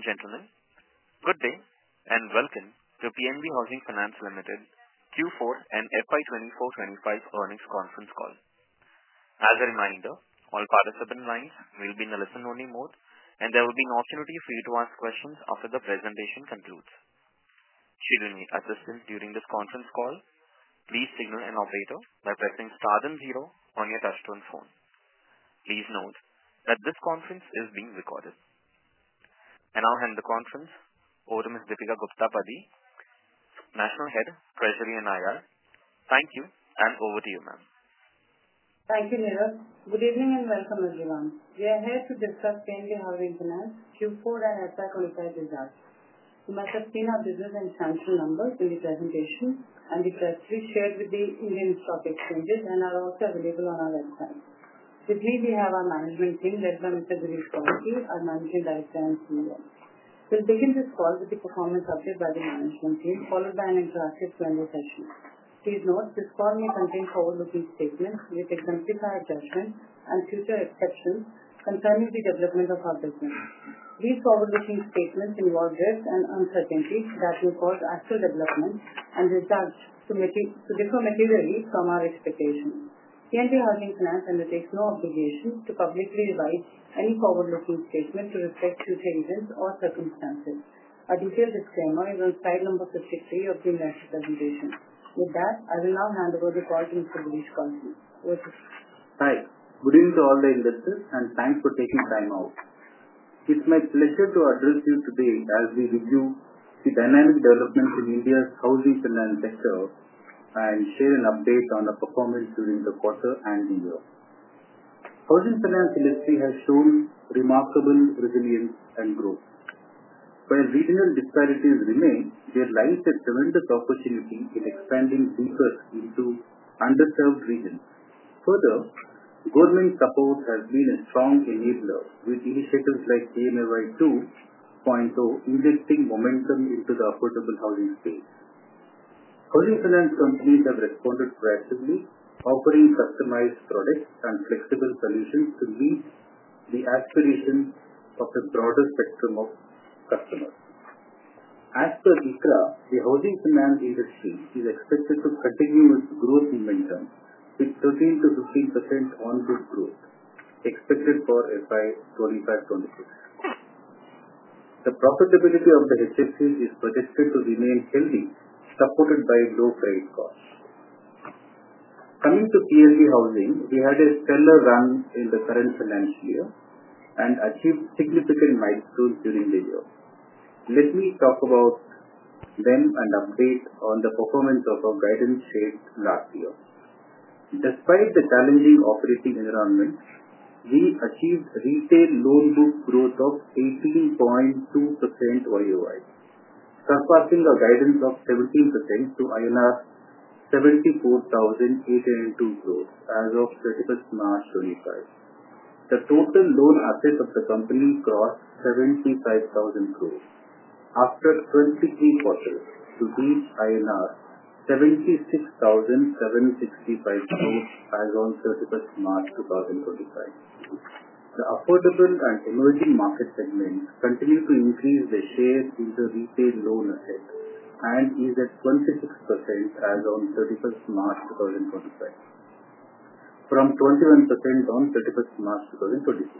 Ladies and gentlemen, good day and welcome to PNB Housing Finance Limited Q4 and FY 2024-2025 earnings conference call. As a reminder, all participant lines will be in the listen-only mode, and there will be an opportunity for you to ask questions after the presentation concludes. Should you need assistance during this conference call, please signal an operator by pressing star then zero on your touch-tone phone. Please note that this conference is being recorded. I will hand the conference over to Ms. Deepika Gupta Padhi, National Head, Treasury and IR. Thank you, and over to you, ma'am. Thank you, Neeraj. Good evening and welcome, everyone. We are here to discuss PNB Housing Finance Q4 and FY 2025 results. You must have seen our business and financial numbers in the presentation, and we have carefully shared with the Indian Stock Exchanges and are also available on our website. With me, we have our management team, led by Mr. Girish Kousgi, our Managing Director and CEO. We will begin this call with the performance update by the management team, followed by an interactive Q&A session. Please note, this call may contain forward-looking statements which exemplify adjustments and future exceptions concerning the development of our business. These forward-looking statements involve risks and uncertainties that may cause actual development and result in different materially from our expectations. PNB Housing Finance undertakes no obligation to publicly revise any forward-looking statement to reflect future events or circumstances. A detailed disclaimer is on slide number 53 of the investor presentation. With that, I will now hand over the call to Mr. Girish Koushik. Over to you. Hi. Good evening to all the investors, and thanks for taking time out. It's my pleasure to address you today as we review the dynamic developments in India's housing finance sector and share an update on our performance during the quarter and the year. Housing finance industry has shown remarkable resilience and growth. While regional disparities remain, we are delighted at the tremendous opportunity in expanding deeper into underserved regions. Further, government support has been a strong enabler, with initiatives like PMAY 2.0 injecting momentum into the affordable housing space. Housing finance companies have responded proactively, offering customized products and flexible solutions to meet the aspirations of a broader spectrum of customers. As per ICRA, the housing finance industry is expected to continue its growth momentum, with 13%-15% ongoing growth expected for FY 2025-2026. The profitability of the HFCs is projected to remain healthy, supported by low credit costs. Coming to PNB Housing Finance Limited, we had a stellar run in the current financial year and achieved significant milestones during the year. Let me talk about them and update on the performance of our guidance shared last year. Despite the challenging operating environment, we achieved retail loan book growth of 18.2% year-on-year, surpassing our guidance of 17% to INR 74,882 crores as of 31 March 2025. The total loan assets of the company crossed 75,000 crores after 23 quarters, to reach INR 76,765 crores as of 31 March 2025. The affordable and emerging market segment continued to increase their share in the retail loan asset and is at 26% as of 31 March 2025, from 21% on 31 March 2024.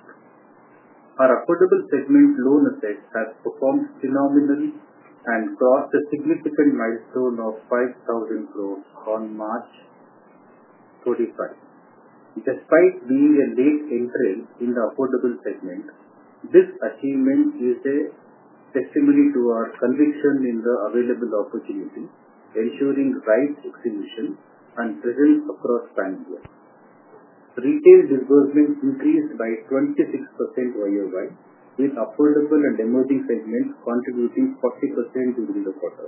Our affordable segment loan assets have performed phenomenally and crossed a significant milestone of 5,000 crores on 31 March 2025. Despite being a late entry in the affordable segment, this achievement is a testimony to our conviction in the available opportunity, ensuring ripe execution and presence across the time period. Retail disbursement increased by 26% year-on-year, with affordable and emerging segments contributing 40% during the quarter.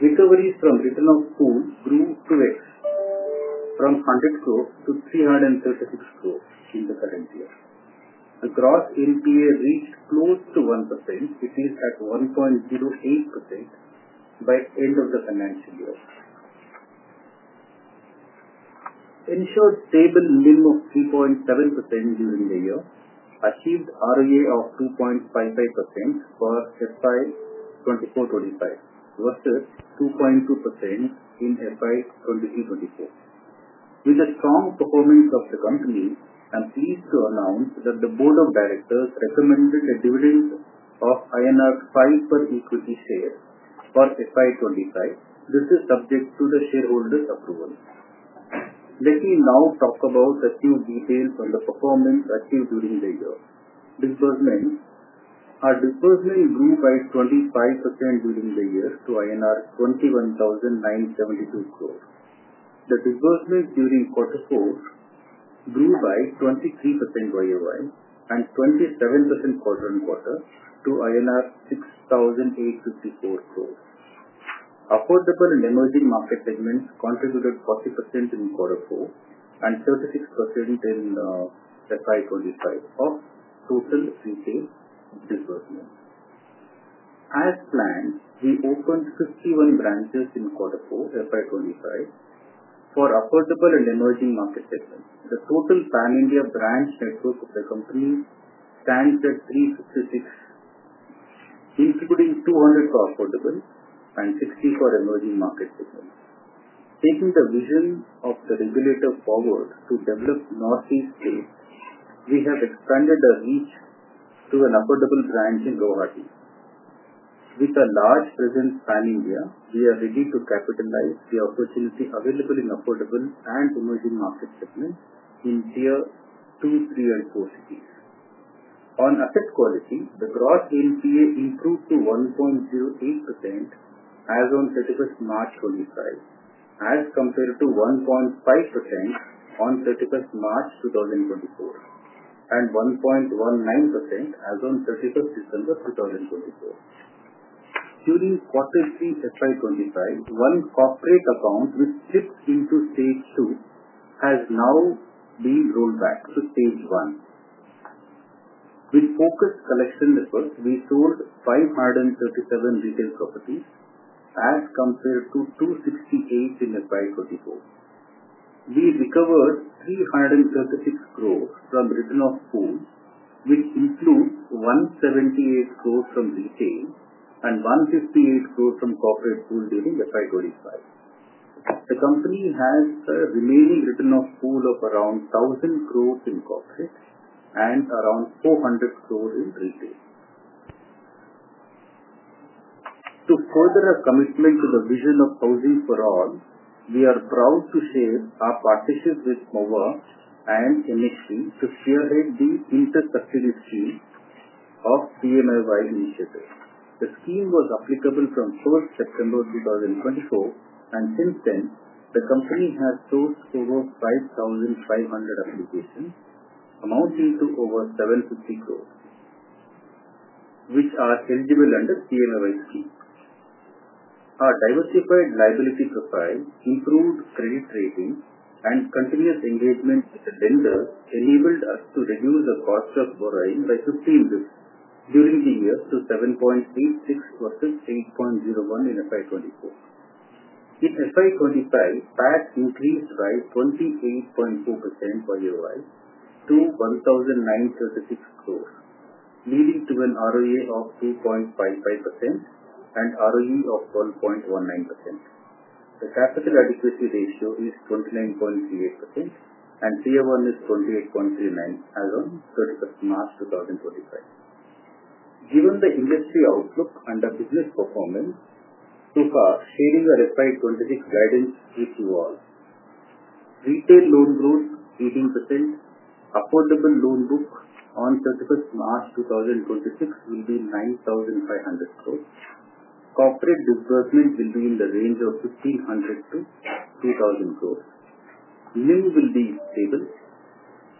Recoveries from written-off pool grew 2x, from 100 crore to 336 crore in the current year. The gross NPA reached close to 1%, which is at 1.08% by the end of the financial year. Ensure stable minimum of 3.7% during the year, achieved ROA of 2.55% for FY 2024-2025 versus 2.2% in FY 2023-2024. With the strong performance of the company, I'm pleased to announce that the Board of Directors recommended a dividend of INR 5 per equity share for FY 2025. This is subject to the shareholders' approval. Let me now talk about a few details on the performance achieved during the year. Disbursement: our disbursement grew by 25% during the year to INR 21,972 crore. The disbursement during quarter four grew by 23% year-on-year and 27% quarter on quarter to INR 6,854 crore. Affordable and emerging market segments contributed 40% in quarter four and 36% in FY 2025 of total retail disbursement. As planned, we opened 51 branches in quarter four, FY 2025, for affordable and emerging market segments. The total Pan India branch network of the company stands at 356, including 200 for affordable and 60 for emerging market segments. Taking the vision of the regulator forward to develop Northeast states, we have expanded our reach to an affordable branch in Guwahati. With a large presence Pan India, we are ready to capitalize the opportunity available in affordable and emerging market segments in Tier 2, 3, and 4 cities. On asset quality, the gross NPA improved to 1.08% as of 31st March 2025, as compared to 1.5% on 31st March 2024 and 1.19% as of 31st December 2024. During quarter three, FY 2025, one corporate account, which slipped into stage two, has now been rolled back to stage one. With focused collection effort, we sold 537 retail properties, as compared to 268 in FY 2024. We recovered 336 crores from written-off pool, which includes 178 crores from retail and 158 crores from corporate pool during FY 2025. The company has a remaining written-off pool of around 1,000 crores in corporate and around 400 crores in retail. To further our commitment to the vision of housing for all, we are proud to share our partnership with MoHUA and NHB to spearhead the inter-subsidy scheme of the PMAY 2.0 initiative. The scheme was applicable from 1st September 2024, and since then, the company has closed over 5,500 applications, amounting to over 750 crore, which are eligible under the PNB scheme. Our diversified liability profile, improved credit rating, and continuous engagement with the lenders enabled us to reduce the cost of borrowing by 15% during the year to 7.86% versus 8.01% in FY 2024. In FY 2025, PAT increased by 28.2% year-on-year to 1,936 crore, leading to an ROA of 2.55% and ROE of 12.19%. The capital adequacy ratio is 29.38%, and Tier 1 is 28.39% as of 31st March 2025. Given the industry outlook and the business performance so far, sharing our FY 2026 guidance with you all: retail loan growth 18%, affordable loan book on 31 March 2026 will be 9,500 crore, corporate disbursement will be in the range of 1,500-2,000 crore, NIM will be stable,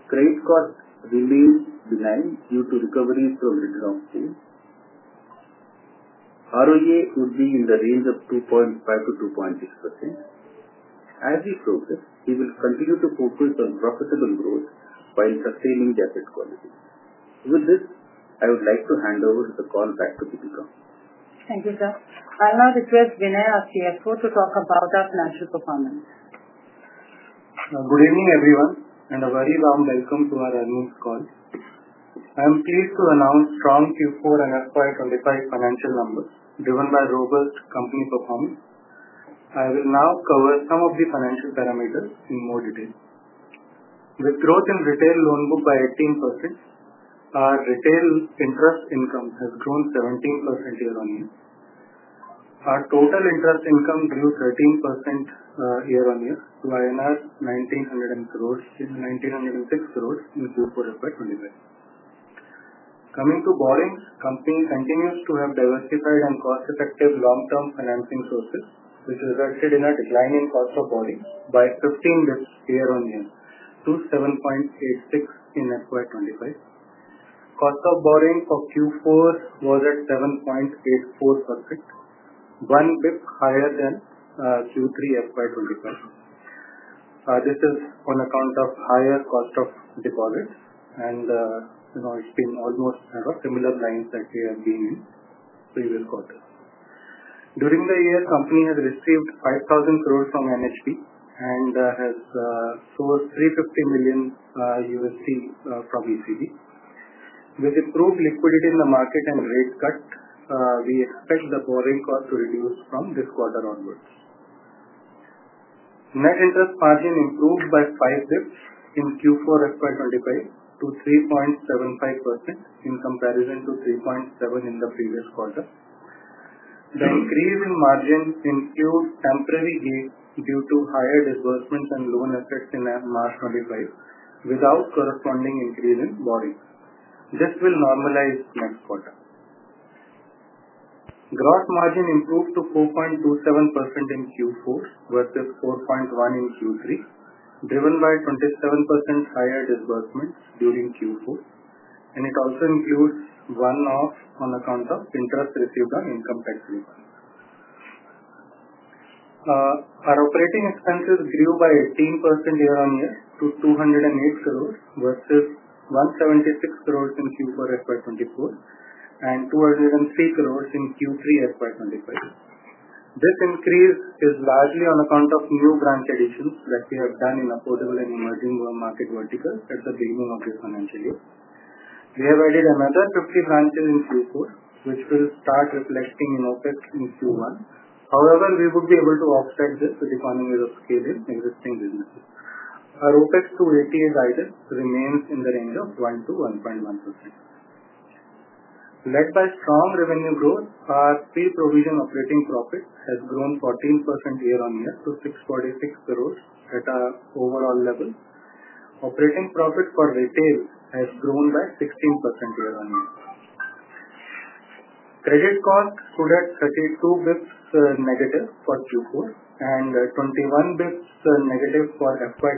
credit costs remain benign due to recoveries from written-off pool, ROA would be in the range of 2.5%-2.6%. As we progress, we will continue to focus on profitable growth while sustaining the asset quality. With this, I would like to hand over the call back to Deepika. Thank you, sir. I'll now request Vinay Gupta, our CFO, to talk about our financial performance. Good evening, everyone, and a very warm welcome to our annual call. I am pleased to announce strong Q4 and FY 2025 financial numbers driven by robust company performance. I will now cover some of the financial parameters in more detail. With growth in retail loan book by 18%, our retail interest income has grown 17% year-on-year. Our total interest income grew 13% year-on-year to INR 1,900 crores and INR 1,906 crores in Q4 FY 2025. Coming to borrowings, the company continues to have diversified and cost-effective long-term financing sources, which resulted in a decline in cost of borrowing by 15 basis points year-on-year to 7.86% in FY 2025. Cost of borrowing for Q4 was at 7.84%, one basis point higher than Q3 FY 2025. This is on account of higher cost of deposits, and it has been almost similar lines that we have been in previous quarters. During the year, the company has received 5,000 crore from National Housing Bank and has sourced $350 million from ECB. With improved liquidity in the market and rate cut, we expect the borrowing cost to reduce from this quarter onwards. Net interest margin improved by five basis points in Q4 FY 2025 to 3.75% in comparison to 3.7% in the previous quarter. The increase in margin includes temporary gains due to higher disbursements and loan assets in March 2025 without corresponding increase in borrowing. This will normalize next quarter. Gross margin improved to 4.27% in Q4 versus 4.1% in Q3, driven by 27% higher disbursements during Q4, and it also includes one-off on account of interest received on income tax refunds. Our operating expenses grew by 18% year-on-year to 208 crore versus 176 crore in Q4 FY 2024 and 203 crore in Q3 FY 2025. This increase is largely on account of new branch additions that we have done in affordable and emerging market verticals at the beginning of this financial year. We have added another 50 branches in Q4, which will start reflecting in OPEX in Q1. However, we would be able to offset this with economies of scale in existing businesses. Our OPEX to ATA guidance remains in the range of 1%-1.1%. Led by strong revenue growth, our pre-provision operating profit has grown 14% year-on-year to 646 crores at our overall level. Operating profit for retail has grown by 16% year-on-year. Credit cost stood at 32 basis points negative for Q4 and 21 basis points negative for FY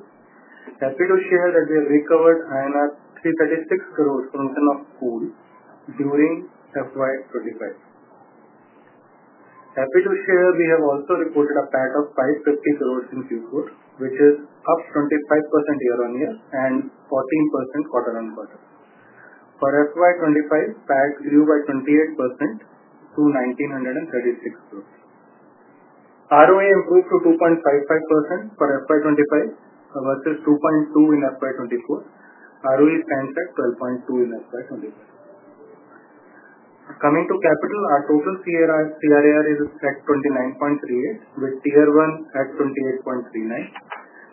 2025. Happy to share that we have recovered INR 336 crores from written-off pool during FY 2025. Happy to share we have also reported a PAT of 550 crores in Q4, which is up 25% year-on-year and 14% quarter on quarter. For FY 2025, PAT grew by 28% to 1,936 crores. ROA improved to 2.55% for FY 2025 versus 2.2% in FY 2024. ROE stands at 12.19% in FY 2025. Coming to capital, our total CRAR is set at 29.38%, with Tier 1 at 28.39%.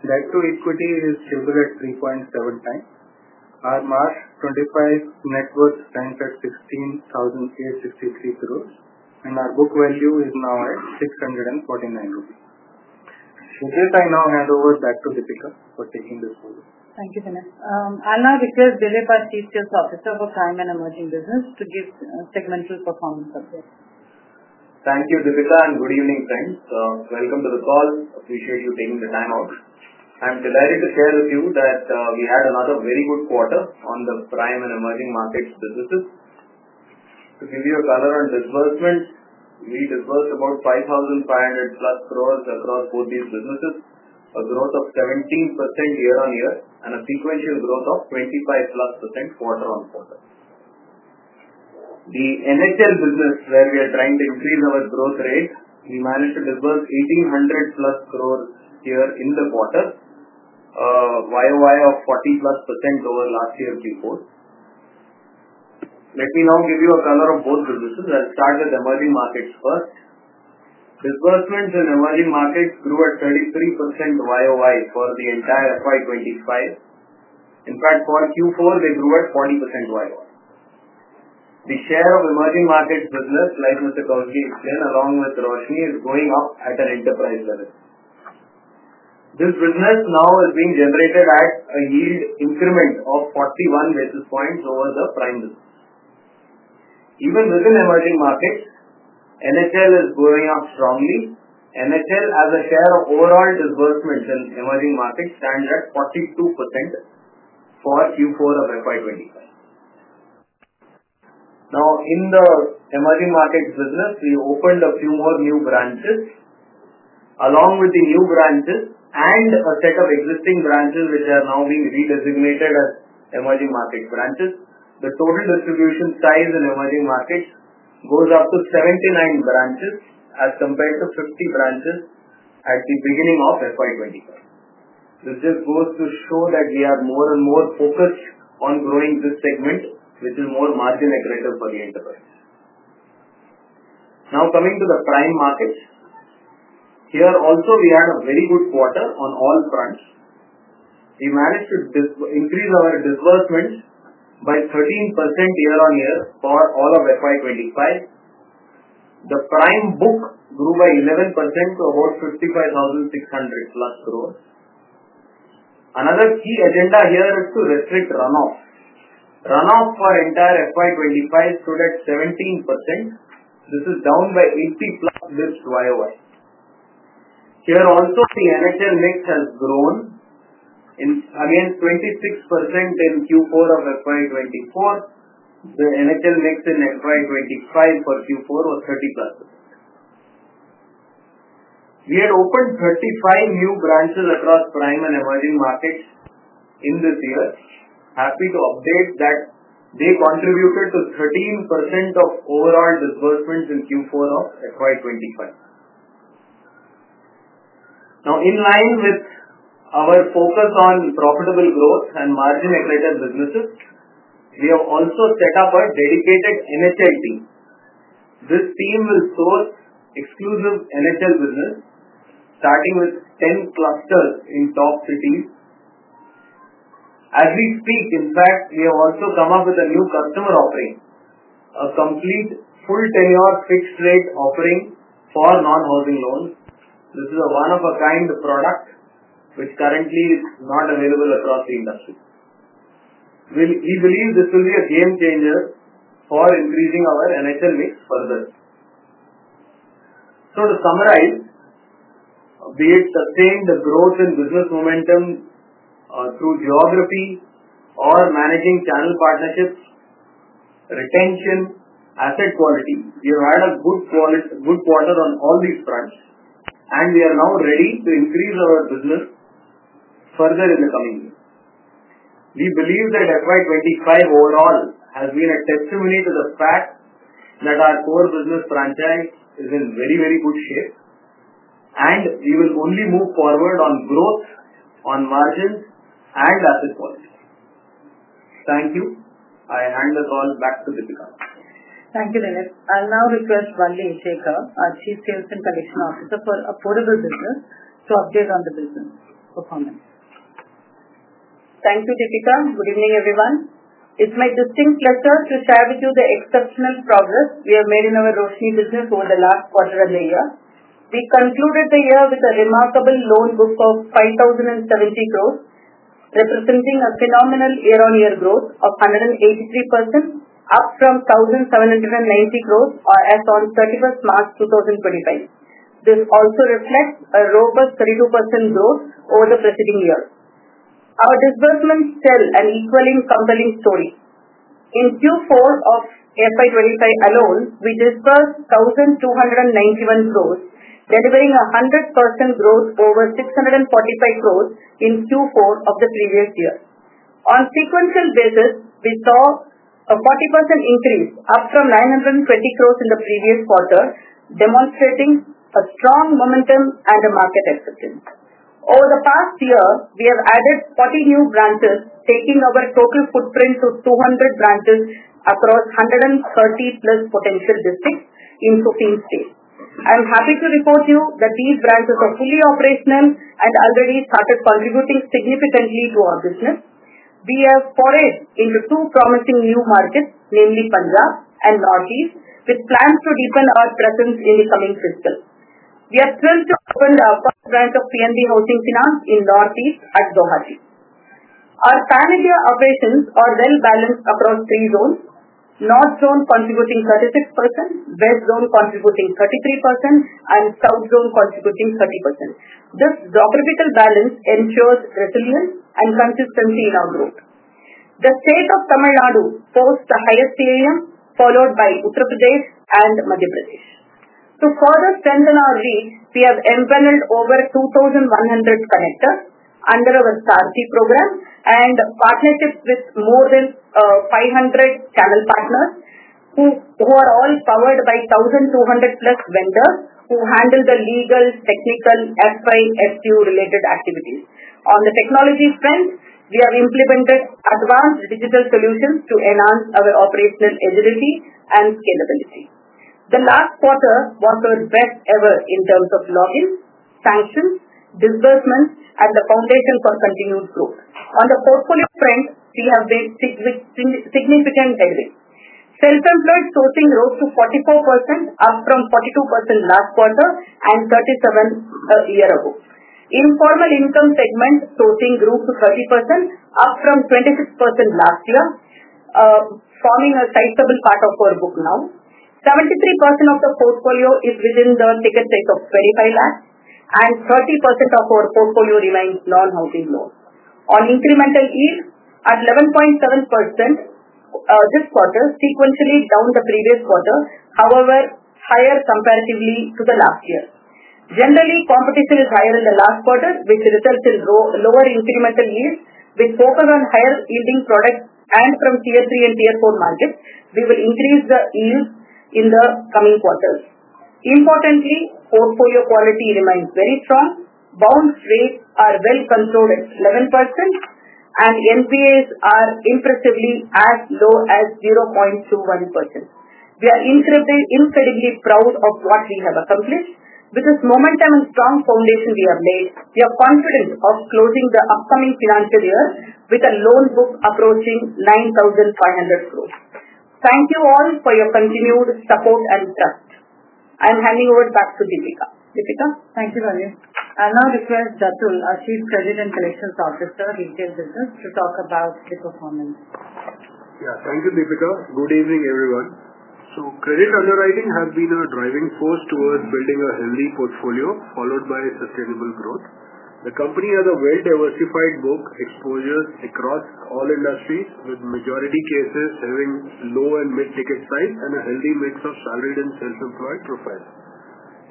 Debt to equity is stable at 3.7 times. Our March 2025 net worth stands at 16,863 crores, and our book value is now at 649 rupees. With this, I now hand over back to Deepika for taking this call. Thank you, Vinay. I'll now request Dilip Vaitheeswaran, Chief Sales Officer for Prime and Emerging Business, to give segmental performance updates. Thank you, Deepika, and good evening, friends. Welcome to the call. Appreciate you taking the time out. I'm delighted to share with you that we had another very good quarter on the Prime and Emerging Markets businesses. To give you a color on disbursement, we disbursed about 5,500+ crores across both these businesses, a growth of 17% year-on-year and a sequential growth of 25%+ quarter on quarter. The NHL business, where we are trying to increase our growth rate, we managed to disburse 1,800+ crores here in the quarter, year-on-year of 40%+ over last year Q4. Let me now give you a color of both businesses. I'll start with emerging markets first. Disbursements in emerging markets grew at 33% year-on-year for the entire FY 2025. In fact, for Q4, they grew at 40% year-on-year. The share of emerging markets business, like Mr. Kousgi explained, along with Roshni, is going up at an enterprise level. This business now is being generated at a yield increment of 41 basis points over the Prime business. Even within emerging markets, NHL is growing up strongly. NHL, as a share of overall disbursements in emerging markets, stands at 42% for Q4 of FY 2025. Now, in the emerging markets business, we opened a few more new branches. Along with the new branches and a set of existing branches, which are now being redesignated as emerging market branches, the total distribution size in emerging markets goes up to 79 branches as compared to 50 branches at the beginning of FY 2025. This just goes to show that we are more and more focused on growing this segment, which is more margin-aggressive for the enterprise. Now, coming to the Prime markets, here also we had a very good quarter on all fronts. We managed to increase our disbursements by 13% year-on-year for all of FY 2025. The Prime book grew by 11% to about 55,600+ crores. Another key agenda here is to restrict runoff. Runoff for entire FY 2025 stood at 17%. This is down by 80+ basis points year-on-year. Here also, the NHL mix has grown against 26% in Q4 of FY 2024. The NHL mix in FY 2025 for Q4 was 30%+. We had opened 35 new branches across Prime and Emerging Markets in this year. Happy to update that they contributed to 13% of overall disbursements in Q4 of FY 2025. Now, in line with our focus on profitable growth and margin-aggressive businesses, we have also set up a dedicated NHL team. This team will source exclusive NHL business, starting with 10 clusters in top cities. As we speak, in fact, we have also come up with a new customer offering, a complete full tenure fixed-rate offering for non-housing loans. This is a one-of-a-kind product, which currently is not available across the industry. We believe this will be a game changer for increasing our NHL mix further. To summarize, we have sustained the growth in business momentum through geography or managing channel partnerships, retention, asset quality. We have had a good quarter on all these fronts, and we are now ready to increase our business further in the coming years. We believe that FY 2025 overall has been a testimony to the fact that our core business franchise is in very, very good shape, and we will only move forward on growth, on margins, and asset quality. Thank you. I hand the call back to Deepika. Thank you, Vinay. I'll now request Vikas Vishwakarma, our Chief Sales and Collection Officer for affordable business, to update on the business performance. Thank you, Deepika. Good evening, everyone. It's my distinct pleasure to share with you the exceptional progress we have made in our Roshni business over the last quarter of the year. We concluded the year with a remarkable loan book of 5,070 crores, representing a phenomenal year-on-year growth of 183%, up from 1,790 crores as of 31st March 2025. This also reflects a robust 32% growth over the preceding year. Our disbursements tell an equally compelling story. In Q4 of FY 2025 alone, we disbursed 1,291 crores, delivering a 100% growth over 645 crores in Q4 of the previous year. On a sequential basis, we saw a 40% increase, up from 920 crores in the previous quarter, demonstrating a strong momentum and a market acceptance. Over the past year, we have added 40 new branches, taking our total footprint to 200 branches across 130+ potential districts in 15 states. I'm happy to report to you that these branches are fully operational and already started contributing significantly to our business. We have forayed into two promising new markets, namely Punjab and Northeast, with plans to deepen our presence in the coming fiscal. We are thrilled to open our first branch of PNB Housing Finance in Northeast at Dibrugarh. Our pan-area operations are well-balanced across three zones: North Zone contributing 36%, West Zone contributing 33%, and South Zone contributing 30%. This geographical balance ensures resilience and consistency in our growth. The state of Tamil Nadu posts the highest TAM, followed by Uttar Pradesh and Madhya Pradesh. To further strengthen our reach, we have embedded over 2,100 connectors under our SARC program and partnerships with more than 500 channel partners, who are all powered by 1,200+ vendors who handle the legal, technical, FI, FTU-related activities. On the technology front, we have implemented advanced digital solutions to enhance our operational agility and scalability. The last quarter was our best ever in terms of logins, sanctions, disbursements, and the foundation for continued growth. On the portfolio front, we have made significant headway. Self-employed sourcing rose to 44%, up from 42% last quarter and 37% a year ago. Informal income segment sourcing grew to 30%, up from 26% last year, forming a sizable part of our book now. 73% of the portfolio is within the ticket size of 2.5 million, and 30% of our portfolio remains non-housing loans. On incremental yields, at 11.7% this quarter, sequentially down the previous quarter, however higher comparatively to the last year. Generally, competition is higher in the last quarter, which results in lower incremental yields. With focus on higher-yielding products and from Tier 3 and Tier 4 markets, we will increase the yields in the coming quarters. Importantly, portfolio quality remains very strong. Bounce rates are well-controlled at 11%, and NPAs are impressively as low as 0.21%. We are incredibly proud of what we have accomplished. With this momentum and strong foundation we have laid, we are confident of closing the upcoming financial year with a loan book approaching 9,500 crore. Thank you all for your continued support and trust. I'm handing over back to Deepika. Deepika, thank you very much. I'll now request Jatul, our Chief Credit and Collections Officer for Retail Business, to talk about the performance. Yeah, thank you, Deepika. Good evening, everyone. Credit underwriting has been a driving force towards building a healthy portfolio, followed by sustainable growth. The company has a well-diversified book exposure across all industries, with majority cases having low and mid-ticket size and a healthy mix of salaried and self-employed profiles.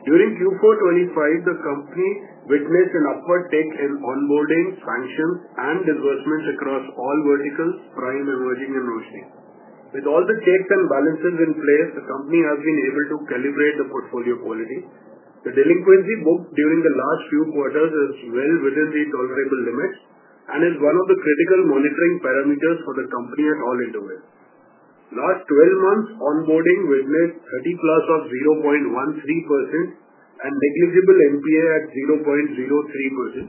During Q4 2025, the company witnessed an upward take in onboarding, sanctions, and disbursements across all verticals: Prime, Emerging, and Roshni. With all the checks and balances in place, the company has been able to calibrate the portfolio quality. The delinquency book during the last few quarters is well within the tolerable limits and is one of the critical monitoring parameters for the company at all end of it. Last 12 months, onboarding witnessed 30+ of 0.13% and negligible NPA at 0.03%.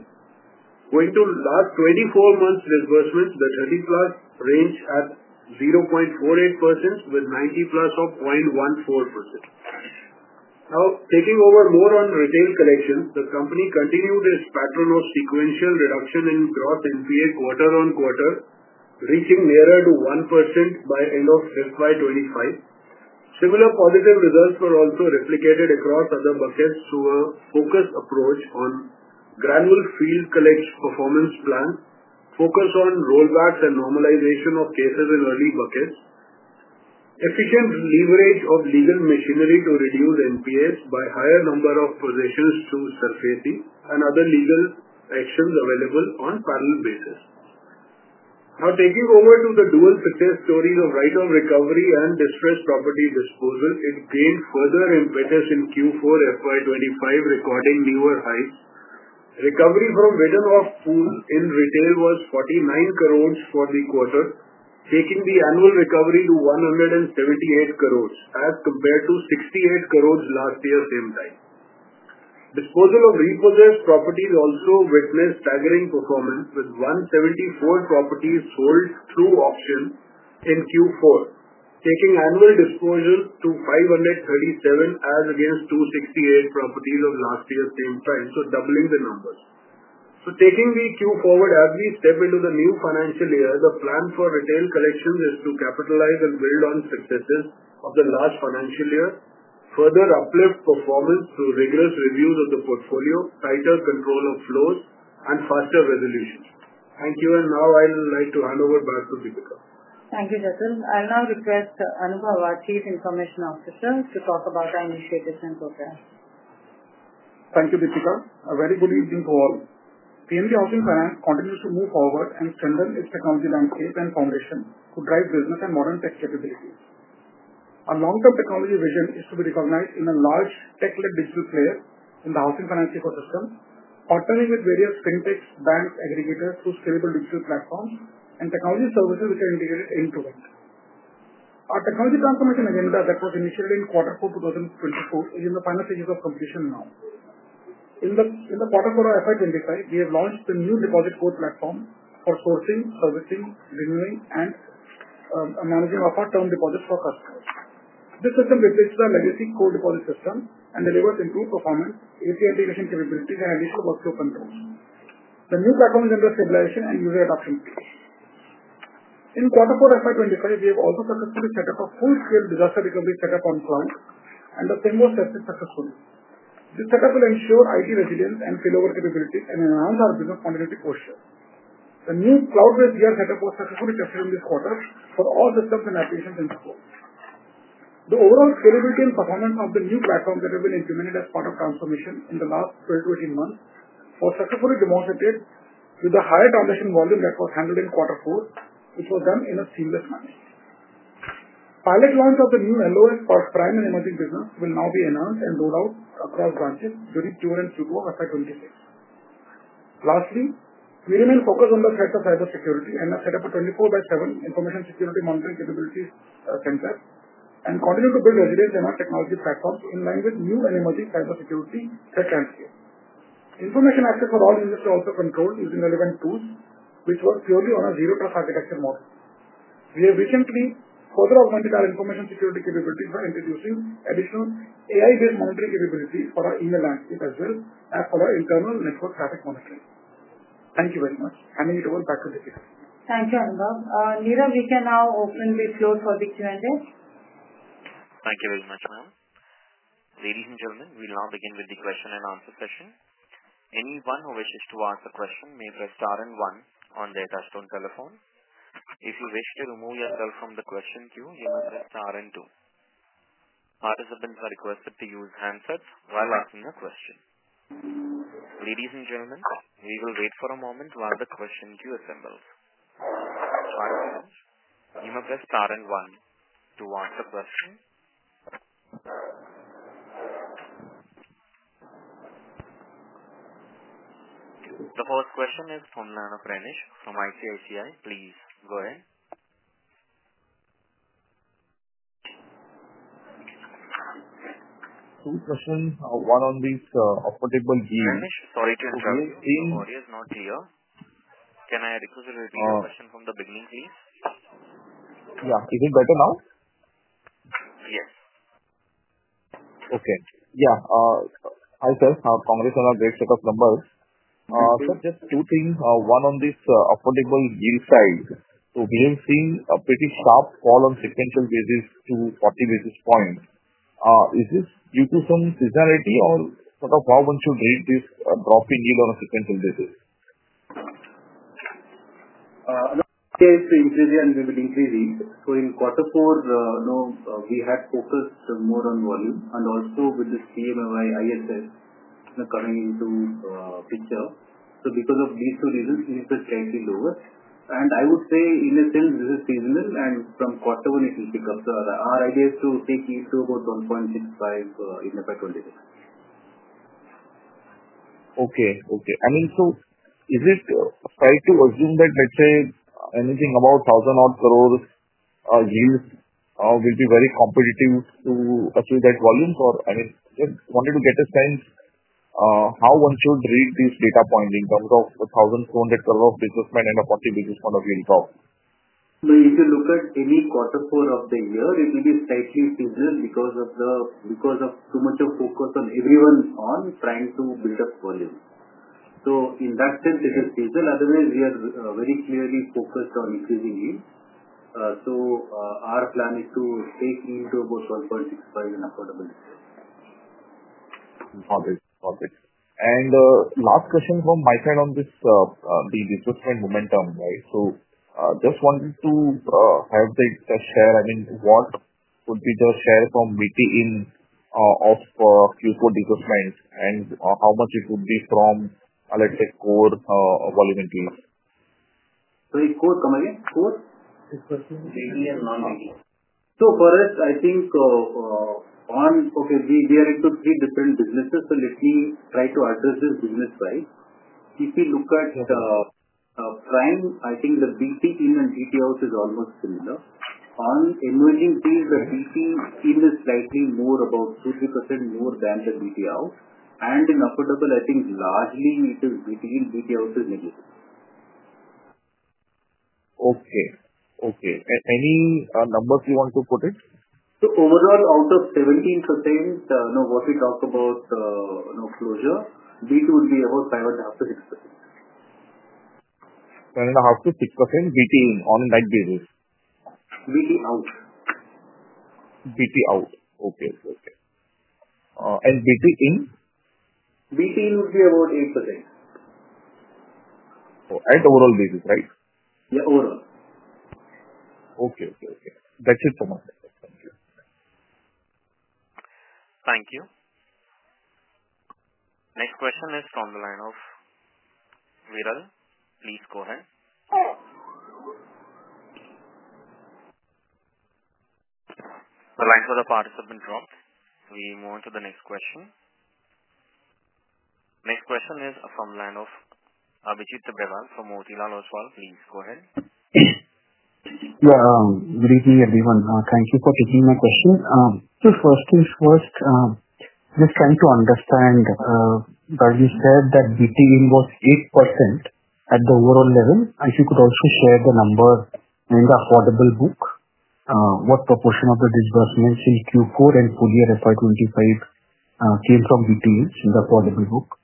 Going to last 24 months' disbursements, the 30+ range at 0.48% with 90+ of 0.14%. Now, taking over more on retail collections, the company continued its pattern of sequential reduction in gross NPA quarter on quarter, reaching nearer to 1% by end of FY 2025. Similar positive results were also replicated across other buckets through a focused approach on granule field collection performance plan, focus on rollbacks and normalization of cases in early buckets, efficient leverage of legal machinery to reduce NPAs by higher number of possessions to surface, and other legal actions available on a parallel basis. Now, taking over to the dual success stories of right of recovery and distressed property disposal, it gained further impetus in Q4 FY 2025, recording newer highs. Recovery from written-off pool in retail was 49 crores for the quarter, taking the annual recovery to 178 crores as compared to 68 crores last year same time. Disposal of repossessed properties also witnessed staggering performance, with 174 properties sold through auction in Q4, taking annual disposal to 537 as against 268 properties of last year same time, doubling the numbers. Taking the Q forward, as we step into the new financial year, the plan for retail collections is to capitalize and build on successes of the last financial year, further uplift performance through rigorous reviews of the portfolio, tighter control of flows, and faster resolutions. Thank you, and now I'd like to hand over back to Deepika. Thank you, Jatul. I'll now request Anubhav Raj, Chief Information Officer, to talk about our initiatives and programs. Thank you, Deepika. A very good evening to all. PNB Housing Finance continues to move forward and strengthen its technology landscape and foundation to drive business and modern tech capabilities. Our long-term technology vision is to be recognized in a large tech-led digital player in the housing finance ecosystem, partnering with various fintechs, banks, aggregators through scalable digital platforms and technology services which are integrated end-to-end. Our technology transformation agenda that was initiated in Q4 2024 is in the final stages of completion now. In the Q4 of FY 2025, we have launched the new deposit core platform for sourcing, servicing, renewing, and managing of our term deposits for customers. This system replaces our legacy core deposit system and delivers improved performance, API integration capabilities, and additional workflow controls. The new platform is under stabilization and user adoption phase. In Q4 FY 2025, we have also successfully set up a full-scale disaster recovery setup on cloud, and the same was tested successfully. This setup will ensure IT resilience and failover capabilities and enhance our business continuity posture. The new cloud-based disaster recovery setup was successfully tested in this quarter for all systems and applications in the floor. The overall scalability and performance of the new platform that we have implemented as part of transformation in the last 12 to 18 months was successfully demonstrated with the higher transition volume that was handled in Q4, which was done in a seamless manner. Pilot launch of the new LOS for Prime and Emerging Business will now be announced and rolled out across branches during Q1 and Q2 of FY 2026. Lastly, we remain focused on the threat of cybersecurity and have set up a 24/7 information security monitoring capabilities center and continue to build resilience in our technology platforms in line with new and emerging cybersecurity tech landscape. Information access for all users is also controlled using relevant tools, which work purely on a zero-trust architecture model. We have recently further augmented our information security capabilities by introducing additional AI-based monitoring capabilities for our email landscape as well as for our internal network traffic monitoring. Thank you very much. Handing it over back to Deepika. Thank you, Anubhav. Neera, we can now open the floor for the Q&A. Thank you very much, ma'am. Ladies and gentlemen, we will now begin with the question-and-answer session. Anyone who wishes to ask a question may press star and one on their touchstone telephone. If you wish to remove yourself from the question queue, you may press star and two. Participants are requested to use handsets while asking a question. Ladies and gentlemen, we will wait for a moment while the question queue assembles. Participants, you may press star and one to ask a question. The first question is from Lana Pranish from ICICI. Please go ahead. Question one on this affordable yield. Pranish, sorry to interrupt. Your audience is not here. Can I request a repeat of the question from the beginning, please? Yeah. Is it better now? Yes. Okay. Yeah. Hi, sir. Congrats, that's a great set of numbers. Sir. Just two things. One on this affordable yield side. We have seen a pretty sharp fall on sequential basis to 40 basis points. Is this due to some seasonality or sort of how one should rate this drop in yield on a sequential basis? Look, we have to increase the increase and we will increase it. In Q4, we had focused more on volume and also with this PMMY ISS coming into picture. Because of these two reasons, it is slightly lower. I would say in a sense, this is seasonal and from Q1, it will pick up further. Our idea is to take it to about 1.65 in FY 2026. Okay. Okay. I mean, so is it fair to assume that, let's say, anything above 1,000-odd crore yields will be very competitive to achieve that volume? I mean, just wanted to get a sense how one should rate these data points in terms of 1,200 crore of business and a 40 basis points of yield growth. If you look at any Q4 of the year, it will be slightly seasonal because of too much of focus on everyone trying to build up volume. In that sense, it is seasonal. Otherwise, we are very clearly focused on increasing yield. Our plan is to take yield to about 1.65 in affordable yield. Perfect. Perfect. Last question from my side on the disbursement momentum, right? Just wanted to have the share. I mean, what would be the share from BTE of Q4 disbursements and how much it would be from, let's say, core volume increase? Sorry, core? Come again? Core? BTE and non-BTE. For us, I think on okay, we are into three different businesses, so let me try to address this business side. If you look at Prime, I think the BTE and BTE house is almost similar. On emerging yields, the BTE is slightly more, about 2%-3% more than the BTE house. In affordable, I think largely it is BTE and BTE house is negligible. Okay. Okay. Any numbers you want to put in? Overall, out of 17%, what we talk about closure, BTE would be about 5.5%-6%. 5.5%-6% BTE on that basis? BTE out. BTE out. Okay. Okay. And BTE in? BTE would be about 8%. Overall basis, right? Yeah, overall. Okay. Okay. Okay. That's it from my side. Thank you. Thank you. Next question is from the line of Viral. Please go ahead. The lines for the participant dropped. We move on to the next question. Next question is from the line of Abhijit Tibrewal from Motilal Oswal. Please go ahead. Yeah, greeting everyone. Thank you for taking my question. First things first, just trying to understand, Girish said that BTE in was 8% at the overall level. If you could also share the number in the affordable book, what proportion of the disbursements in Q4 and full year 2025 came from BTE in the affordable book?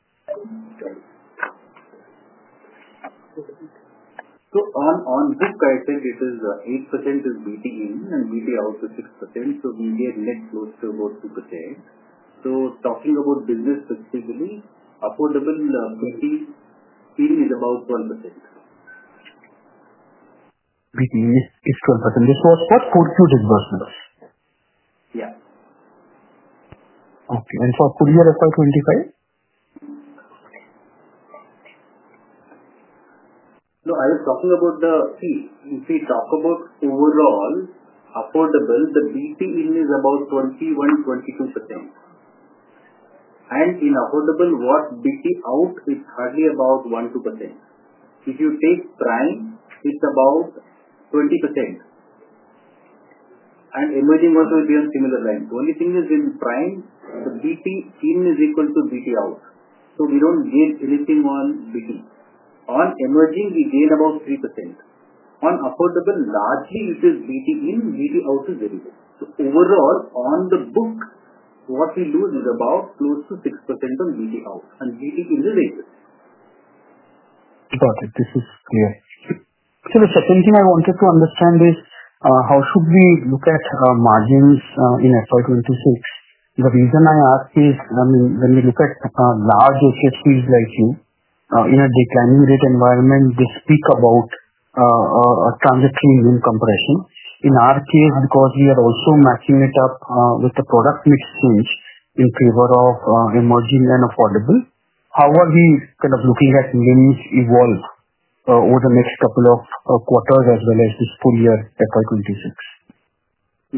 On book, I think it is 8% is BTE in and BTE out is 6%. We get net close to about 2%. Talking about business specifically, affordable BTE in is about 12%. BTE is 12%. This was what? Q4 disbursements? Yeah. Okay. For full year FY 2025? No, I was talking about the, see, if we talk about overall affordable, the BTE in is about 21%-22%. And in affordable, what BTE out is hardly about 1%-2%. If you take Prime, it's about 20%. And emerging also will be on similar lines. The only thing is in Prime, the BTE in is equal to BTE out. We do not gain anything on BTE. On emerging, we gain about 3%. On affordable, largely it is BTE in, BTE out is very good. Overall, on the book, what we lose is about close to 6% on BTE out. BTE in is 8%. Got it. This is clear. The second thing I wanted to understand is how should we look at margins in FY 2026? The reason I ask is, I mean, when we look at large HFCs like you, in a declining rate environment, they speak about transitory NIM compression. In our case, because we are also matching it up with the product mix change in favor of emerging and affordable, how are we kind of looking at NIMs evolve over the next couple of quarters as well as this full year FY 2026?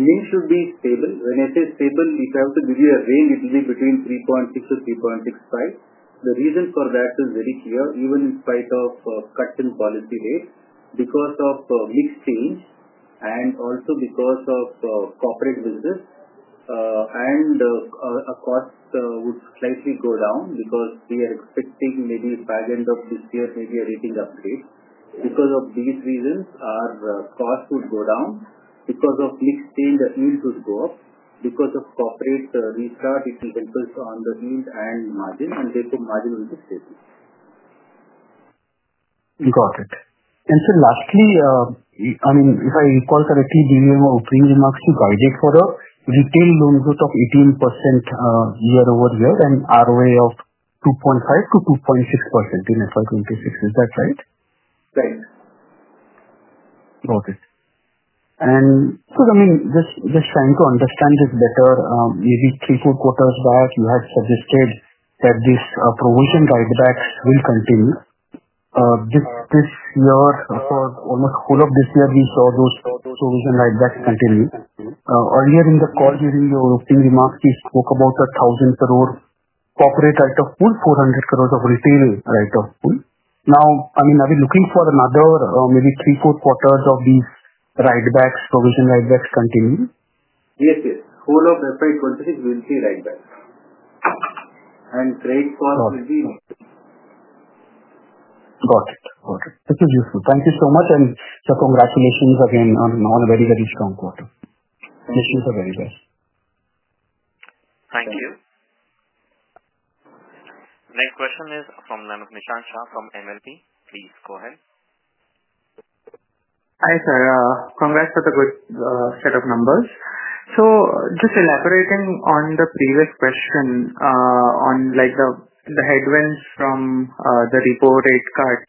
NIMs should be stable. When I say stable, if I have to give you a range, it will be between 3.6-3.65. The reason for that is very clear, even in spite of cutting policy rate because of mix change and also because of corporate business. Cost would slightly go down because we are expecting maybe by the end of this year, maybe a rating upgrade. Because of these reasons, our cost would go down. Because of mix change, the yields would go up. Because of corporate restart, it will impact on the yield and margin, and therefore margin will be stable. Got it. Lastly, I mean, if I recall correctly, Dilip, in my opening remarks you guided for a retail loan growth of 18% year over year and ROA of 2.5%-2.6% in FY 2026. Is that right? Correct. Got it. I mean, just trying to understand this better, maybe three or four quarters back, you had suggested that these provision right backs will continue. This year, for almost the whole of this year, we saw those provision right backs continue. Earlier in the call, during your opening remarks, you spoke about the 1,000 crore corporate write-off pool, 400 crores of retail write-off pool. Now, I mean, are we looking for another maybe three or four quarters of these right backs, provision right backs continue? Yes, yes. Whole of FY 2026, we'll see write backs. And credit cost will be negligible. Got it. Got it. This is useful. Thank you so much. Congratulations again on a very, very strong quarter. Wish you the very best. Thank you. Next question is from Nishan Shah from MLP. Please go ahead. Hi, sir. Congrats for the good set of numbers. Just elaborating on the previous question on the headwinds from the repo rate cut.